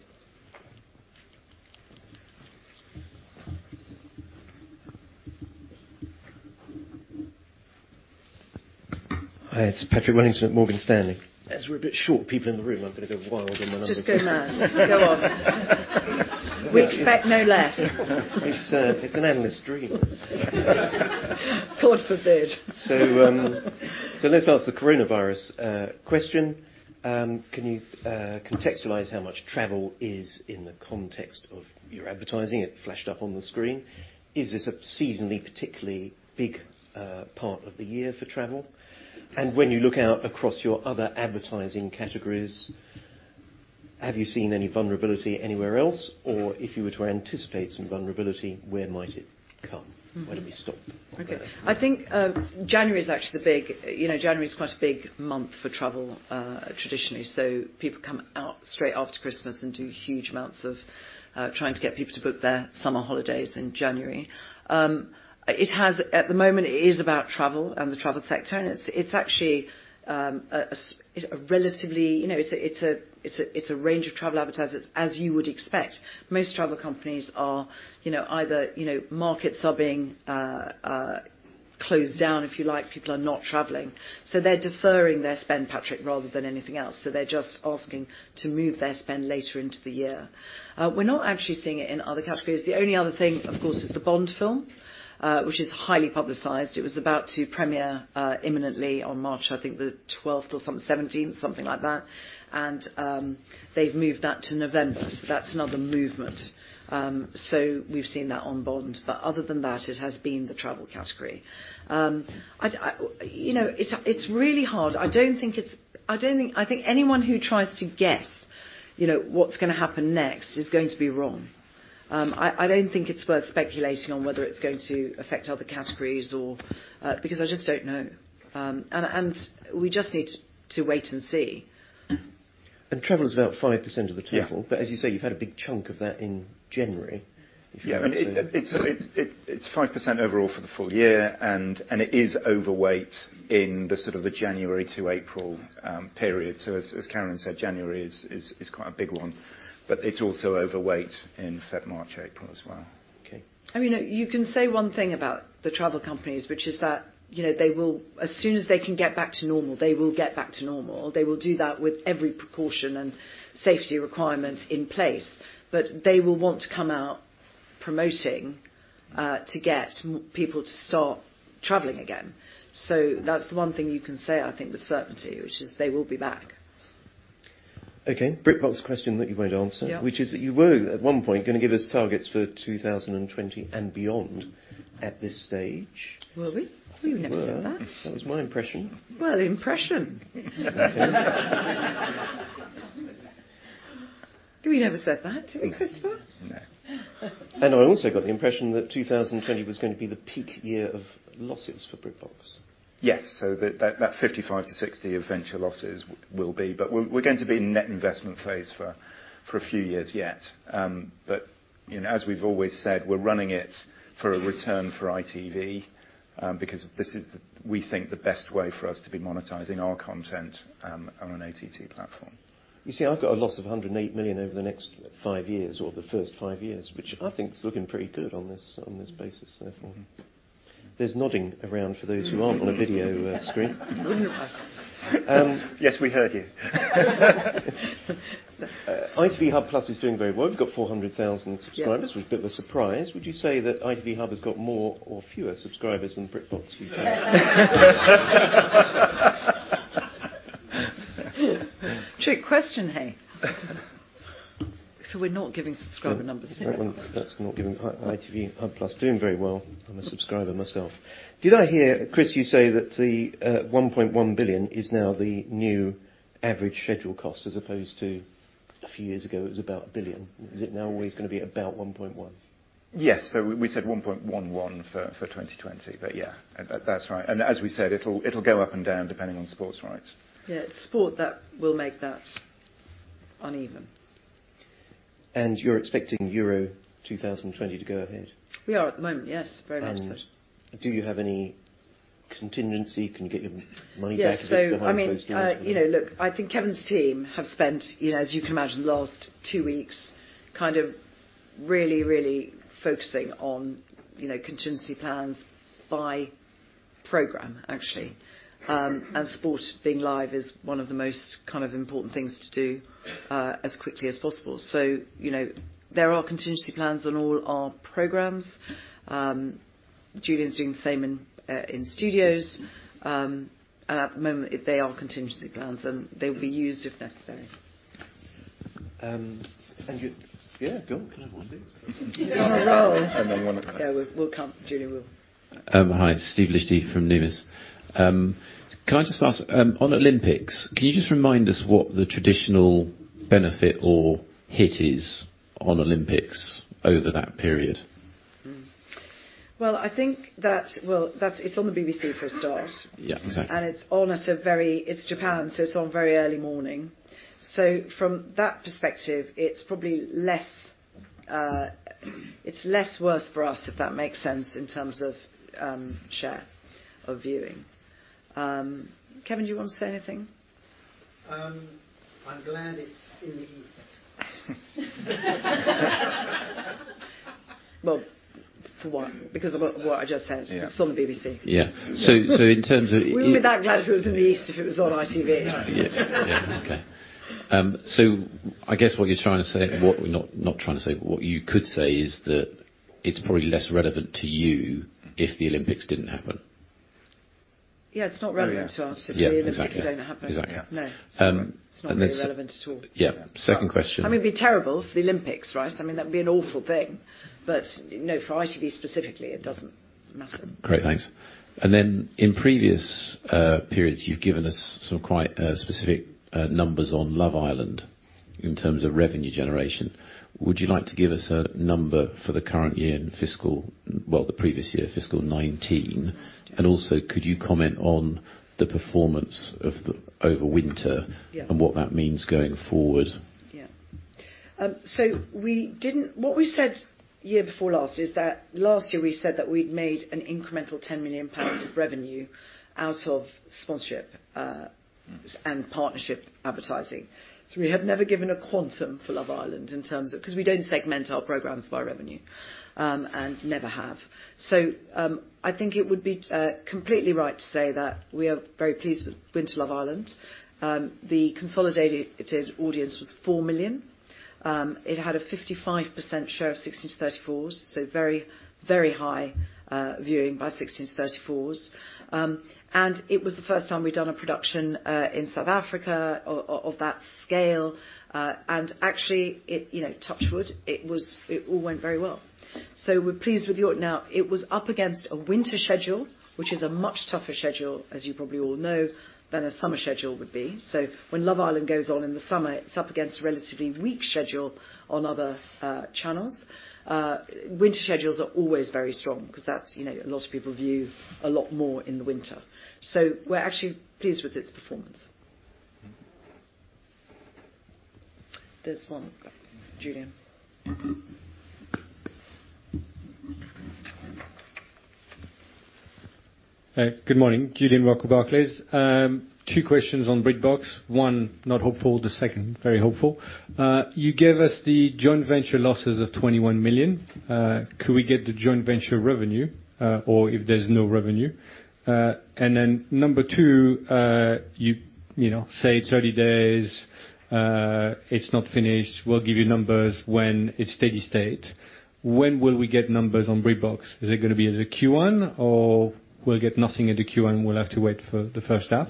Hi, it's Patrick Wellington at Morgan Stanley. As we're a bit short people in the room, I'm going to go wild on the microphone. Just go mad. Go on. We expect no less. It's an analyst's dream. God forbid. Let's ask the coronavirus question. Can you contextualize how much travel is in the context of your advertising? It flashed up on the screen. Is this a seasonally particularly big part of the year for travel? When you look out across your other advertising categories, have you seen any vulnerability anywhere else? Or if you were to anticipate some vulnerability, where might it come? Where do we stop? I think January is quite a big month for travel traditionally. People come out straight after Christmas and do huge amounts of trying to get people to book their summer holidays in January. At the moment it is about travel and the travel sector, and it's a range of travel advertisers, as you would expect. Most travel companies are either markets are being closed down, if you like. People are not traveling. They're deferring their spend, Patrick, rather than anything else. They're just asking to move their spend later into the year. We're not actually seeing it in other categories. The only other thing, of course, is the Bond film, which is highly publicized. It was about to premiere imminently on March, I think, the 12th or 17th, something like that. They've moved that to November, so that's another movement. We've seen that on Bond. Other than that, it has been the travel category. It's really hard. I think anyone who tries to guess what's going to happen next is going to be wrong. I don't think it's worth speculating on whether it's going to affect other categories or because I just don't know. We just need to wait and see. Travel is about 5% of the total. Yeah. As you say, you've had a big chunk of that in January. Yeah, it's 5% overall for the full year, and it is overweight in the sort of the January to April period. As Carolyn said, January is quite a big one, but it's also overweight in March, April as well. Okay. You can say one thing about the travel companies, which is that, as soon as they can get back to normal, they will get back to normal. They will do that with every precaution and safety requirement in place. They will want to come out promoting to get people to start traveling again. That's the one thing you can say, I think, with certainty, which is they will be back. Okay. BritBox question that you won't answer. Yeah. Which is that you were at one point going to give us targets for 2020 and beyond at this stage. Were we? We never said that. You were. That was my impression. Well, impression. We never said that, did we, Christopher? No. I also got the impression that 2020 was going to be the peak year of losses for BritBox. Yes. That 55 million-60 million of venture losses will be, we're going to be in net investment phase for a few years yet. As we've always said, we're running it for a return for ITV, because this is, we think, the best way for us to be monetizing our content on an OTT platform. You see, I've got a loss of 108 million over the next five years or the first five years, which I think is looking pretty good on this basis therefore. There's nodding around for those who aren't on a video screen. Yes, we heard you. ITV Hub+ is doing very well. You've got 400,000 subscribers. Yeah. Which is a bit of a surprise. Would you say that ITV Hub has got more or fewer subscribers than BritBox, do you think? Trick question, hey. We're not giving subscriber numbers here. That's not giving ITV Hub+ is doing very well. I am a subscriber myself. Did I hear, Chris, you say that the 1.1 billion is now the new average schedule cost as opposed to a few years ago, it was about 1 billion. Is it now always going to be about 1.1 billion? Yes. We said 1.11 billion for 2020, yeah, that's right. As we said, it'll go up and down depending on sports rights. Yeah. It's sport that will make that uneven. You're expecting Euro 2020 to go ahead? We are at the moment, yes. Very much so. Do you have any contingency? Can you get your money back if it's behind closed doors? Yeah. I think Kevin's team have spent, as you can imagine, the last two weeks really focusing on contingency plans by program, actually. Sport being live is one of the most important things to do as quickly as possible. There are contingency plans on all our programs. Julian's doing the same in Studios. At the moment, they are contingency plans, and they'll be used if necessary. Yeah, go. Can I have one please? He's on a roll. Yeah, we'll come Julian will. Hi, Steve Liechti from Numis. Can I just ask, on Olympics, can you just remind us what the traditional benefit or hit is on Olympics over that period? Well, it's on the BBC for starters. Yeah, exactly. It's Japan, so it's on very early morning. From that perspective, it's probably less worse for us, if that makes sense, in terms of share of viewing. Kevin, do you want to say anything? I'm glad it's in the East. Well, for one, because of what I just said. Yeah. It's on the BBC. Yeah. We wouldn't be that glad if it was in the East, if it was on ITV. No. Yeah. Okay. I guess what you're trying to say, not trying to say, but what you could say is that it's probably less relevant to you if the Olympics didn't happen. Yeah. It's not relevant to us. Oh, yeah. Yeah, exactly. If the Olympics didn't happen. Exactly. No. And then- It's not relevant at all. Yeah. Second question- It'd be terrible for the Olympics, right? That would be an awful thing. For ITV specifically, it doesn't matter. Great, thanks. In previous periods, you've given us quite specific numbers on "Love Island" in terms of revenue generation. Would you like to give us a number for the current year in fiscal the previous year, fiscal 2019. Also, could you comment on the performance over winter- Yeah What that means going forward? What we said year before last is that last year we said that we'd made an incremental 10 million pounds of revenue out of sponsorship, and partnership advertising. We have never given a quantum for Love Island. Because we don't segment our programs by revenue. Never have. I think it would be completely right to say that we are very pleased with winter Love Island. The consolidated audience was 4 million. It had a 55% share of 16 to 34s, so very high viewing by 16 to 34s. It was the first time we'd done a production in South Africa of that scale. Actually, touch wood, it all went very well. We're pleased with the audience. Now, it was up against a winter schedule, which is a much tougher schedule, as you probably all know, than a summer schedule would be. When "Love Island" goes on in the summer, it's up against a relatively weak schedule on other channels. Winter schedules are always very strong because a lot of people view a lot more in the winter. We're actually pleased with its performance. There's one. Julien. Good morning. Julien Roch, Barclays. Two questions on BritBox. One, not hopeful, the second, very hopeful. You gave us the joint venture losses of 21 million. Could we get the joint venture revenue, or if there's no revenue? Number two, you say 30 days, it's not finished. We'll give you numbers when it's steady state. When will we get numbers on BritBox? Is it gonna be at the Q1, or we'll get nothing at the Q1, we'll have to wait for the first half?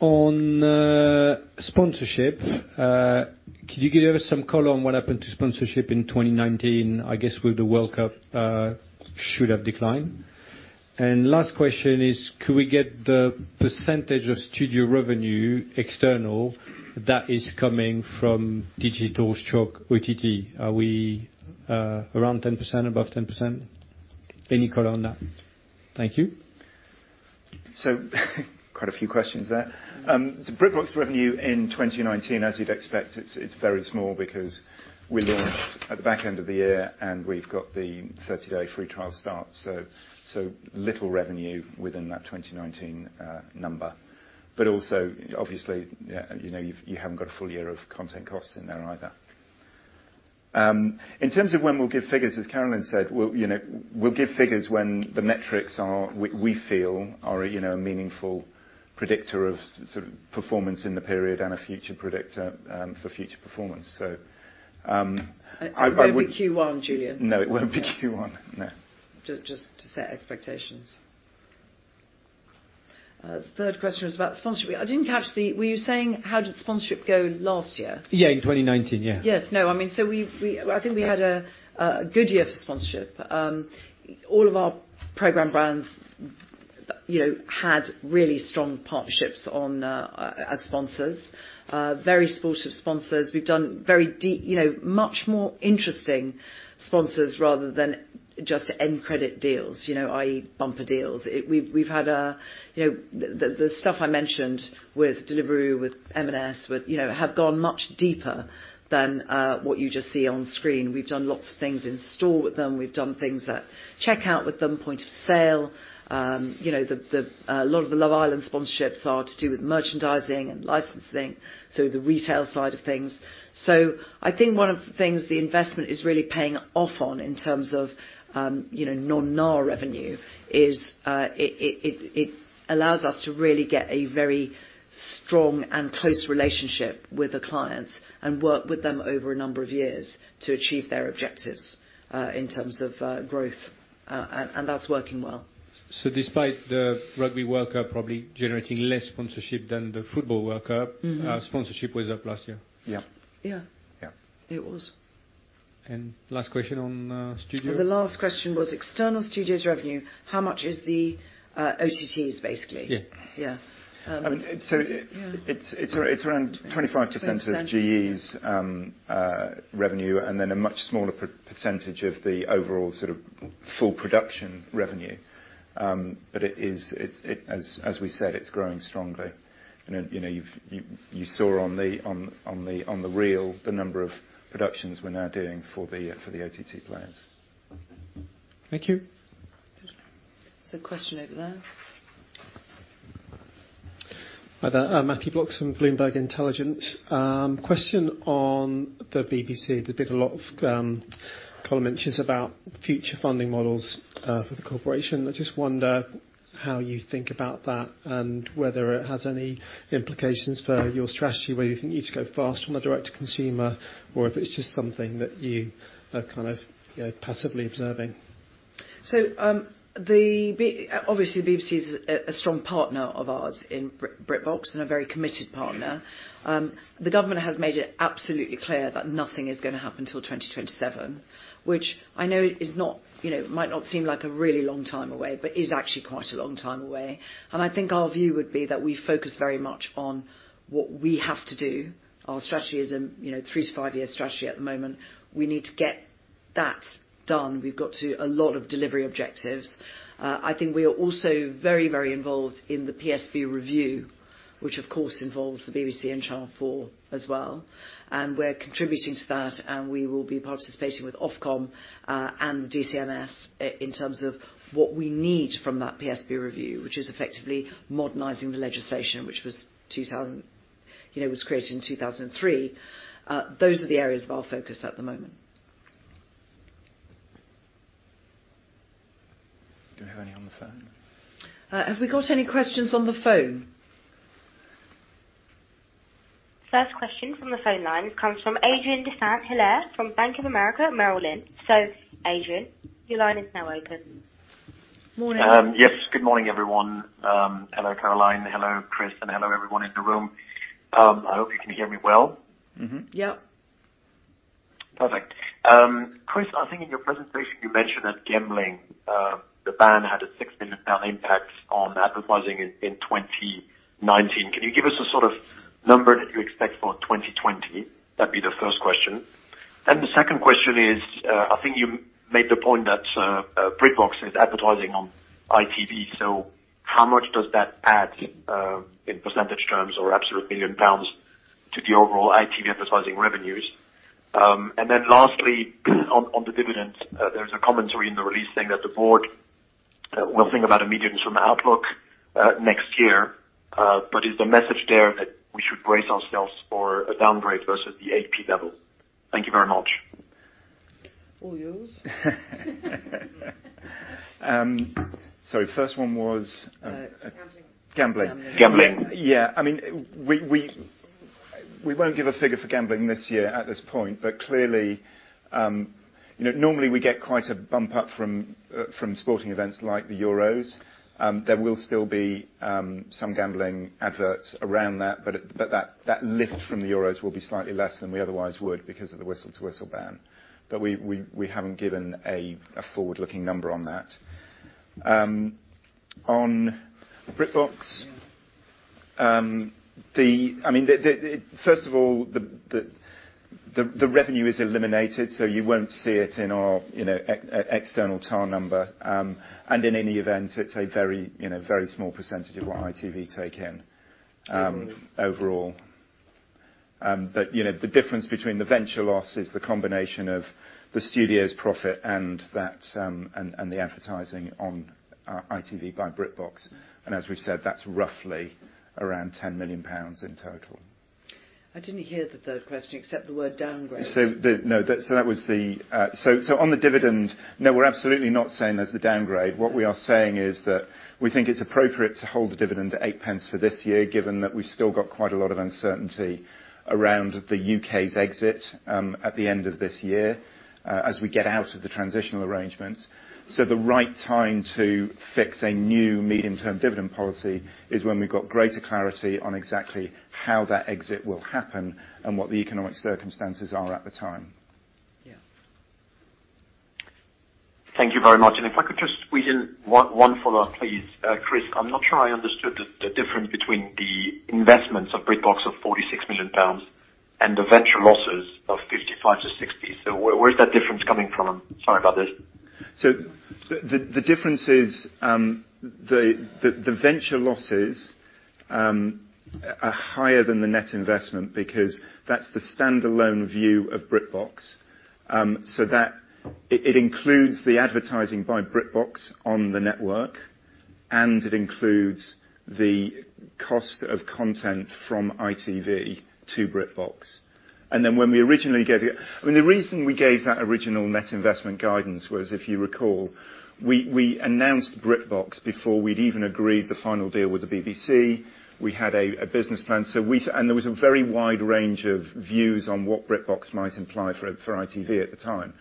On sponsorship, could you give us some color on what happened to sponsorship in 2019? I guess with the World Cup, should have declined. Last question is, could we get the percentage of studio revenue, external, that is coming from digital stroke OTT? Are we around 10%, above 10%? Any color on that? Thank you. Quite a few questions there. BritBox revenue in 2019, as you'd expect, it's very small because we launched at the back end of the year, and we've got the 30-day free trial start, so little revenue within that 2019 number. Also, obviously, you haven't got a full year of content costs in there either. In terms of when we'll give figures, as Carolyn said, we'll give figures when the metrics we feel are a meaningful predictor of performance in the period and a future predictor for future performance. It won't be Q1, Julien. No, it won't be Q1. No. Just to set expectations. Third question was about sponsorship. I didn't catch. Were you saying how did sponsorship go last year? Yeah, in 2019. Yeah. Yes. No, I think we had a good year for sponsorship. All of our program brands had really strong partnerships as sponsors, very supportive sponsors. We've done much more interesting sponsors rather than just end credit deals, i.e. bumper deals. The stuff I mentioned with Deliveroo, with M&S, have gone much deeper than what you just see on screen. We've done lots of things in store with them. We've done things at checkout with them, point of sale. A lot of the Love Island sponsorships are to do with merchandising and licensing, so the retail side of things. I think one of the things the investment is really paying off on in terms of non-NAR revenue is it allows us to really get a very strong and close relationship with the clients, and work with them over a number of years to achieve their objectives in terms of growth. That's working well. Despite the Rugby World Cup probably generating less sponsorship than the Football World Cup. Sponsorship was up last year? Yeah. Yeah. Yeah. It was. Last question on Studio. The last question was external studios revenue. How much is the OTTs, basically? Yeah. Yeah. It's around 25%. Percent Of GE's revenue, and then a much smaller percentage of the overall full production revenue. As we said, it's growing strongly. You saw on the reel the number of productions we're now doing for the OTT players. Thank you. There's a question over there. Hi there. Matthew Bloxham, Bloomberg Intelligence. Question on the BBC. There's been a lot of column inches about future funding models for the corporation. I just wonder how you think about that, and whether it has any implications for your strategy, whether you think you need to go fast on the direct to consumer, or if it's just something that you are kind of passively observing. Obviously, the BBC is a strong partner of ours in BritBox, and a very committed partner. The government has made it absolutely clear that nothing is going to happen till 2027, which I know might not seem like a really long time away, but is actually quite a long time away. I think our view would be that we focus very much on what we have to do. Our strategy is a three to five-year strategy at the moment. We need to get that done. We've got to a lot of delivery objectives. I think we are also very involved in the PSB review, which of course involves the BBC and Channel 4 as well. we're contributing to that, and we will be participating with Ofcom, and the DCMS in terms of what we need from that PSB review, which is effectively modernizing the legislation, which was created in 2003. Those are the areas of our focus at the moment. Do we have any on the phone? Have we got any questions on the phone? First question from the phone line comes from Adrien de Saint Hilaire from Bank of America Merrill Lynch. Adrien, your line is now open. Morning. Yes. Good morning, everyone. Hello, Carolyn. Hello, Chris, and hello, everyone in the room. I hope you can hear me well. Yep. Perfect. Chris, I think in your presentation, you mentioned that gambling, the ban had a 6 million pound impact on advertising in 2019. Can you give us a sort of number that you expect for 2020? That'd be the first question. The second question is, I think you made the point that BritBox is advertising on ITV, so how much does that add, in percentage terms or absolute million pounds to the overall ITV advertising revenues? Lastly, on the dividend, there's a commentary in the release saying that the board will think about a medium-term outlook next year. Is the message there that we should brace ourselves for a downgrade versus the GBP 0.08 level? Thank you very much. All yours. Sorry. First one was- Gambling. Gambling. Gambling. Yeah. We won't give a figure for gambling this year at this point. Clearly, normally we get quite a bump up from sporting events like the Euros. There will still be some gambling adverts around that, but that lift from the Euros will be slightly less than we otherwise would because of the whistle-to-whistle ban. We haven't given a forward-looking number on that. On BritBox- Yeah First of all, the revenue is eliminated, so you won't see it in our external TAR number. In any event, it's a very small percentage of what ITV take in- Overall Overall. the difference between the venture loss is the combination of the studio's profit and the advertising on ITV by BritBox. as we've said, that's roughly around 10 million pounds in total. I didn't hear the third question except the word downgrade. On the dividend, no, we're absolutely not saying there's a downgrade. What we are saying is that we think it's appropriate to hold the dividend at 0.08 for this year, given that we've still got quite a lot of uncertainty around the U.K.'s exit at the end of this year, as we get out of the transitional arrangements. The right time to fix a new medium-term dividend policy is when we've got greater clarity on exactly how that exit will happen and what the economic circumstances are at the time. Yeah. Thank you very much. If I could just squeeze in one follow-up, please. Chris, I'm not sure I understood the difference between the investments of BritBox of 46 million pounds and the venture losses of 55 million - 60 million. Where's that difference coming from? Sorry about this. The difference is, the venture losses are higher than the net investment because that's the standalone view of BritBox. It includes the advertising by BritBox on the network, and it includes the cost of content from ITV to BritBox. The reason we gave that original net investment guidance was, if you recall, we announced BritBox before we'd even agreed the final deal with the BBC. We had a business plan, and there was a very wide range of views on what BritBox might imply for ITV at the time.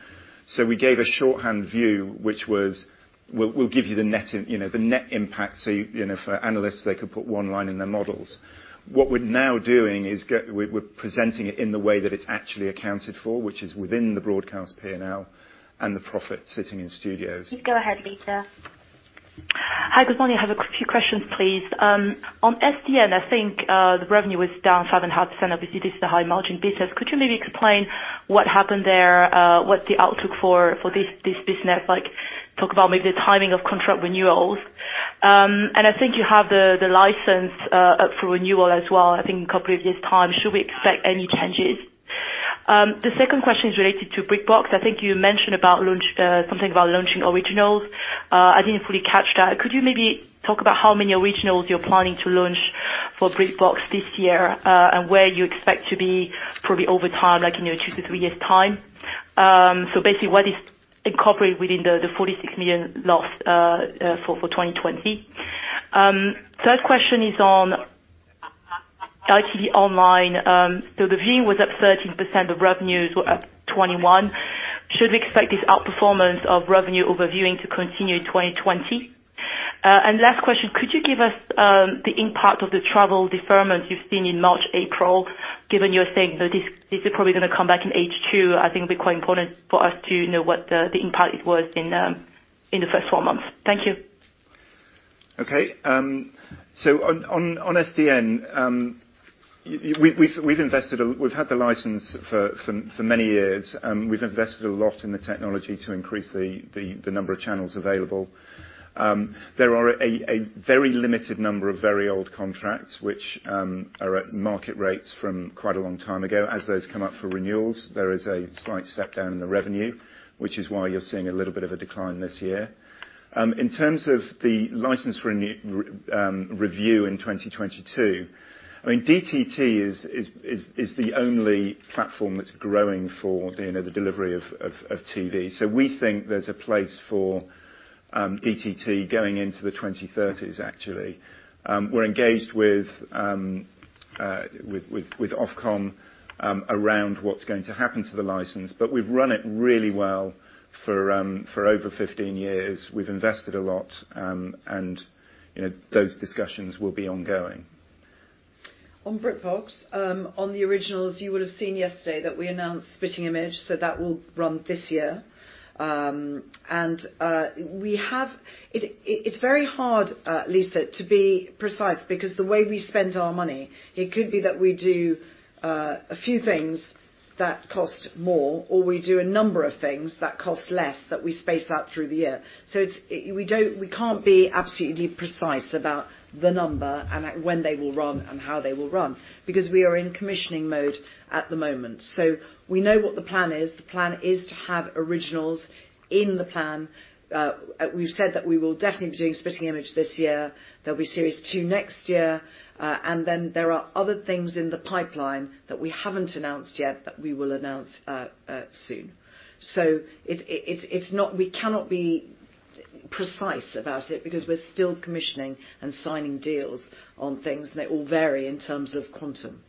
We gave a shorthand view, which was, we'll give you the net impact, so for analysts, they could put one line in their models. What we're now doing is we're presenting it in the way that it's actually accounted for, which is within the broadcast P&L and the profit sitting in studios. Please go ahead, Lisa. Hi, good morning. I have a few questions, please. On SDN, I think, the revenue was down 7.5%. Obviously, this is a high margin business. Could you maybe explain what happened there, what the outlook for this business, talk about maybe the timing of contract renewals. I think you have the license up for renewal as well, I think a couple of years' time. Should we expect any changes? The second question is related to BritBox. I think you mentioned something about launching originals. I didn't fully catch that. Could you maybe talk about how many originals you're planning to launch for BritBox this year, and where you expect to be probably over time, like in two to three years' time? Basically, what is incorporated within the 46 million loss for 2020? Third question is on ITV online. The viewing was up 13%, the revenues were up 21%. Should we expect this outperformance of revenue over viewing to continue in 2020? Last question, could you give us the impact of the travel deferment you've seen in March, April? Given you're saying that this is probably gonna come back in H2, I think it'll be quite important for us to know what the impact it was in the first four months. Thank you. Okay. on SDN. We've had the license for many years, and we've invested a lot in the technology to increase the number of channels available. There are a very limited number of very old contracts, which are at market rates from quite a long time ago. As those come up for renewals, there is a slight step down in the revenue, which is why you're seeing a little bit of a decline this year. In terms of the license review in 2022, DTT is the only platform that's growing for the delivery of TV. we think there's a place for DTT going into the 2030s, actually. We're engaged with Ofcom around what's going to happen to the license. we've run it really well for over 15 years. We've invested a lot, and those discussions will be ongoing. On BritBox, on the originals, you will have seen yesterday that we announced "Spitting Image", so that will run this year. It's very hard, Lisa, to be precise because the way we spend our money, it could be that we do a few things that cost more, or we do a number of things that cost less that we space out through the year. We can't be absolutely precise about the number and when they will run and how they will run because we are in commissioning mode at the moment. We know what the plan is. The plan is to have originals in the plan. We've said that we will definitely be doing "Spitting Image" this year. There'll be series two next year. There are other things in the pipeline that we haven't announced yet that we will announce soon. We cannot be precise about it because we're still commissioning and signing deals on things, and they all vary in terms of quantum.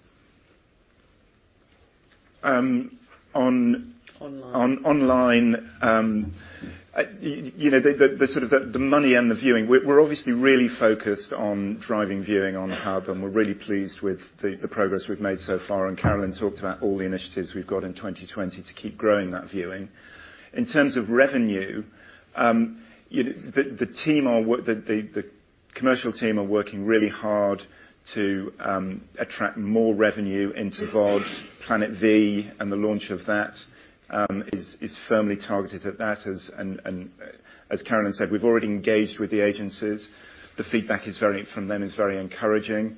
On- Online Online. The money and the viewing, we're obviously really focused on driving viewing on Hub, and we're really pleased with the progress we've made so far, and Carolyn talked about all the initiatives we've got in 2020 to keep growing that viewing. In terms of revenue, the commercial team are working really hard to attract more revenue into VOD. Planet V, and the launch of that is firmly targeted at that. As Carolyn said, we've already engaged with the agencies. The feedback from them is very encouraging.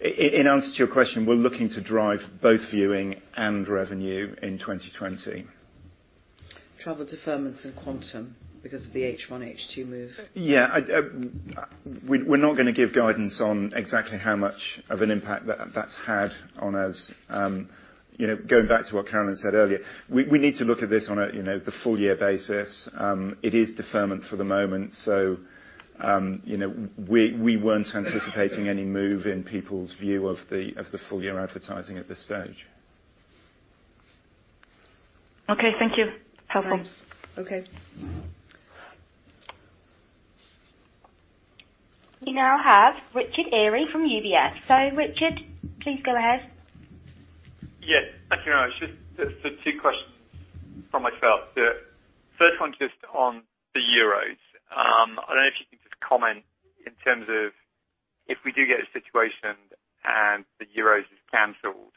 In answer to your question, we're looking to drive both viewing and revenue in 2020. Travel deferments and quantum because of the H1, H2 move. Yeah. We're not going to give guidance on exactly how much of an impact that's had on us. Going back to what Carolyn said earlier, we need to look at this on the full year basis. It is deferment for the moment. We weren't anticipating any move in people's view of the full year advertising at this stage. Okay. Thank you. Helpful. Thanks. Okay. We now have Richard Eary from UBS. Richard, please go ahead. Yes. Thank you very much. Just two questions from myself. The first one just on the Euros. I don't know if you can just comment in terms of if we do get a situation and the Euros is canceled,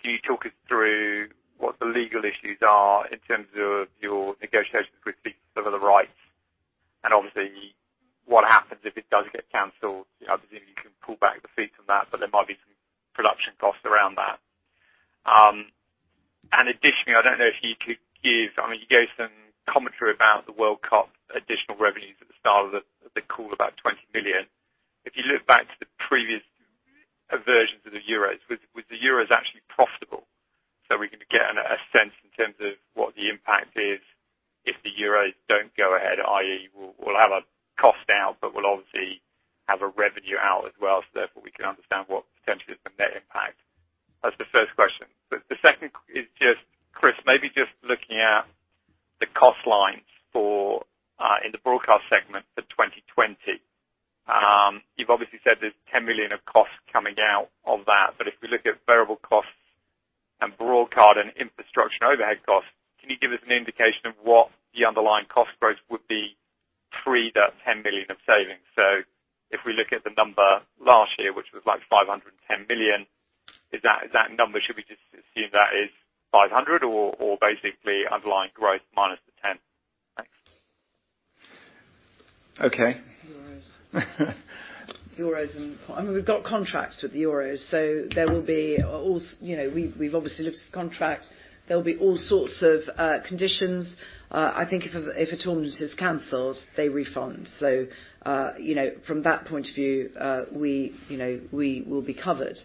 can you talk us through what the legal issues are in terms of your negotiations with fees over the rights, and obviously what happens if it does get canceled? I presume you can pull back the fees from that, but there might be some production costs around that. Additionally, I don't know if you could give. You gave some commentary about the World Cup additional revenues at the start of the call, about 20 million. If you look back to the previous versions of the Euros, was the Euros actually profitable? We can get a sense in terms of what the impact is if the Euros don't go ahead, i.e., we'll have a cost out, but we'll obviously have a revenue out as well, so therefore we can understand what potentially is the net impact. That's the first question. The second is just, Chris, maybe just looking at the cost lines in the broadcast segment for 2020. You've obviously said there's 10 million of costs coming out of that, but if we look at variable costs and broadcast and infrastructure and overhead costs, can you give us an indication of what the underlying cost growth would be pre that 10 million of savings? If we look at the number last year, which was like 510 million, should we just assume that is 500 million or basically underlying growth minus the GBP 10 million? Thanks. Okay. Euros. We've got contracts with the Euros. We've obviously looked at the contract. There'll be all sorts of conditions. I think if a tournament is canceled, they refund. From that point of view, we will be covered.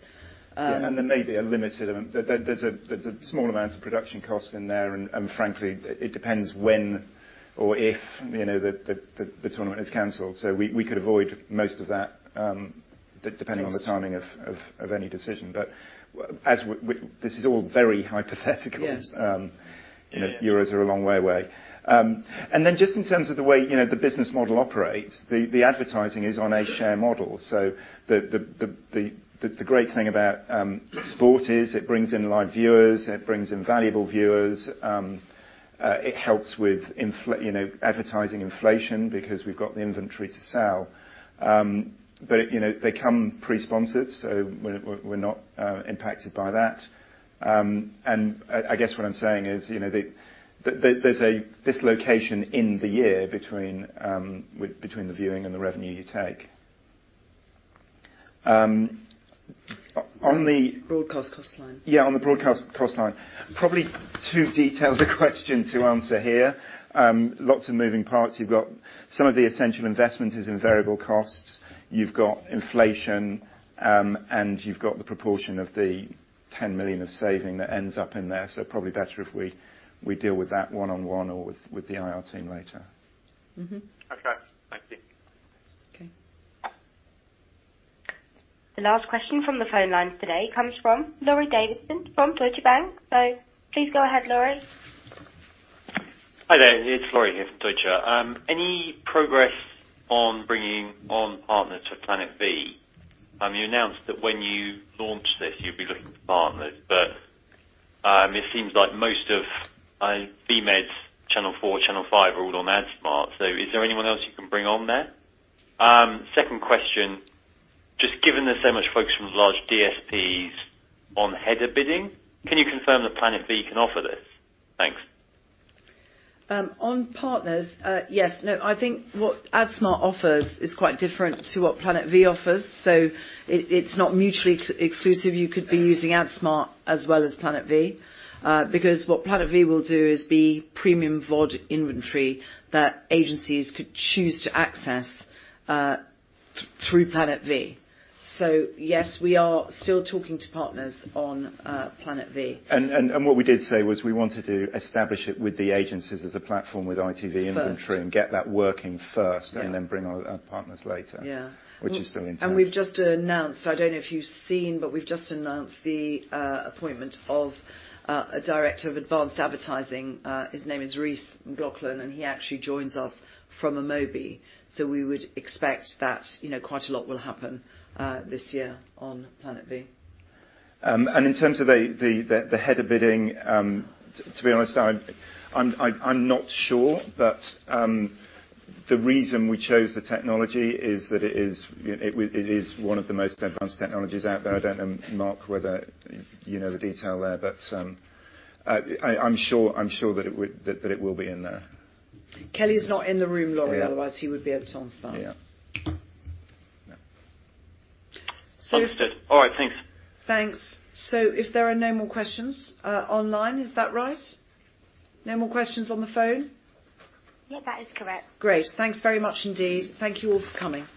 Yeah, there may be a limited amount. There's a small amount of production cost in there, and frankly, it depends when or if the tournament is canceled. We could avoid most of that, depending on the timing of any decision. This is all very hypothetical. Yes. Euros are a long way away. Just in terms of the way the business model operates, the advertising is on a share model. The great thing about sport is it brings in live viewers, it brings in valuable viewers. It helps with advertising inflation because we've got the inventory to sell. They come pre-sponsored, so we're not impacted by that. I guess what I'm saying is there's a dislocation in the year between the viewing and the revenue you take. On the- Broadcast cost line. Yeah, on the broadcast cost line. Probably too detailed a question to answer here. Lots of moving parts. You've got some of the essential investment is in variable costs. You've got inflation, and you've got the proportion of the 10 million of saving that ends up in there. Probably better if we deal with that one on one or with the IR team later. Okay. Thank you. Okay. The last question from the phone lines today comes from Laurie Davison from Deutsche Bank. Please go ahead, Laurie. Hi there. It's Laurie here from Deutsche. Any progress on bringing on partners for Planet V? You announced that when you launched this, you'd be looking for partners, but it seems like most of Vmed's Channel 4, Channel 5 are all on AdSmart. Is there anyone else you can bring on there? Second question, just given there's so much focus from large DSPs on header bidding, can you confirm that Planet V can offer this? Thanks. On partners, yes. No, I think what AdSmart offers is quite different to what Planet V offers. It's not mutually exclusive. You could be using AdSmart as well as Planet V. Because what Planet V will do is be premium VOD inventory that agencies could choose to access through Planet V. Yes, we are still talking to partners on Planet V. What we did say was we wanted to establish it with the agencies as a platform with ITV inventory- First Get that working first Yeah Bring our partners later- Yeah Which is still intent. We've just announced, I don't know if you've seen, but we've just announced the appointment of a Director of Advanced Advertising. His name is Rhys McLachlan, and he actually joins us from Amobee. We would expect that quite a lot will happen this year on Planet V. In terms of the header bidding, to be honest, I'm not sure. The reason we chose the technology is that it is one of the most advanced technologies out there. I don't know, Mark, whether you know the detail there, but I'm sure that it will be in there. Kelly's not in the room, Laurie, otherwise he would be able to answer that. Yeah. Understood. All right, thanks. Thanks. If there are no more questions online, is that right? No more questions on the phone? Yeah, that is correct. Great. Thanks very much indeed. Thank you all for coming.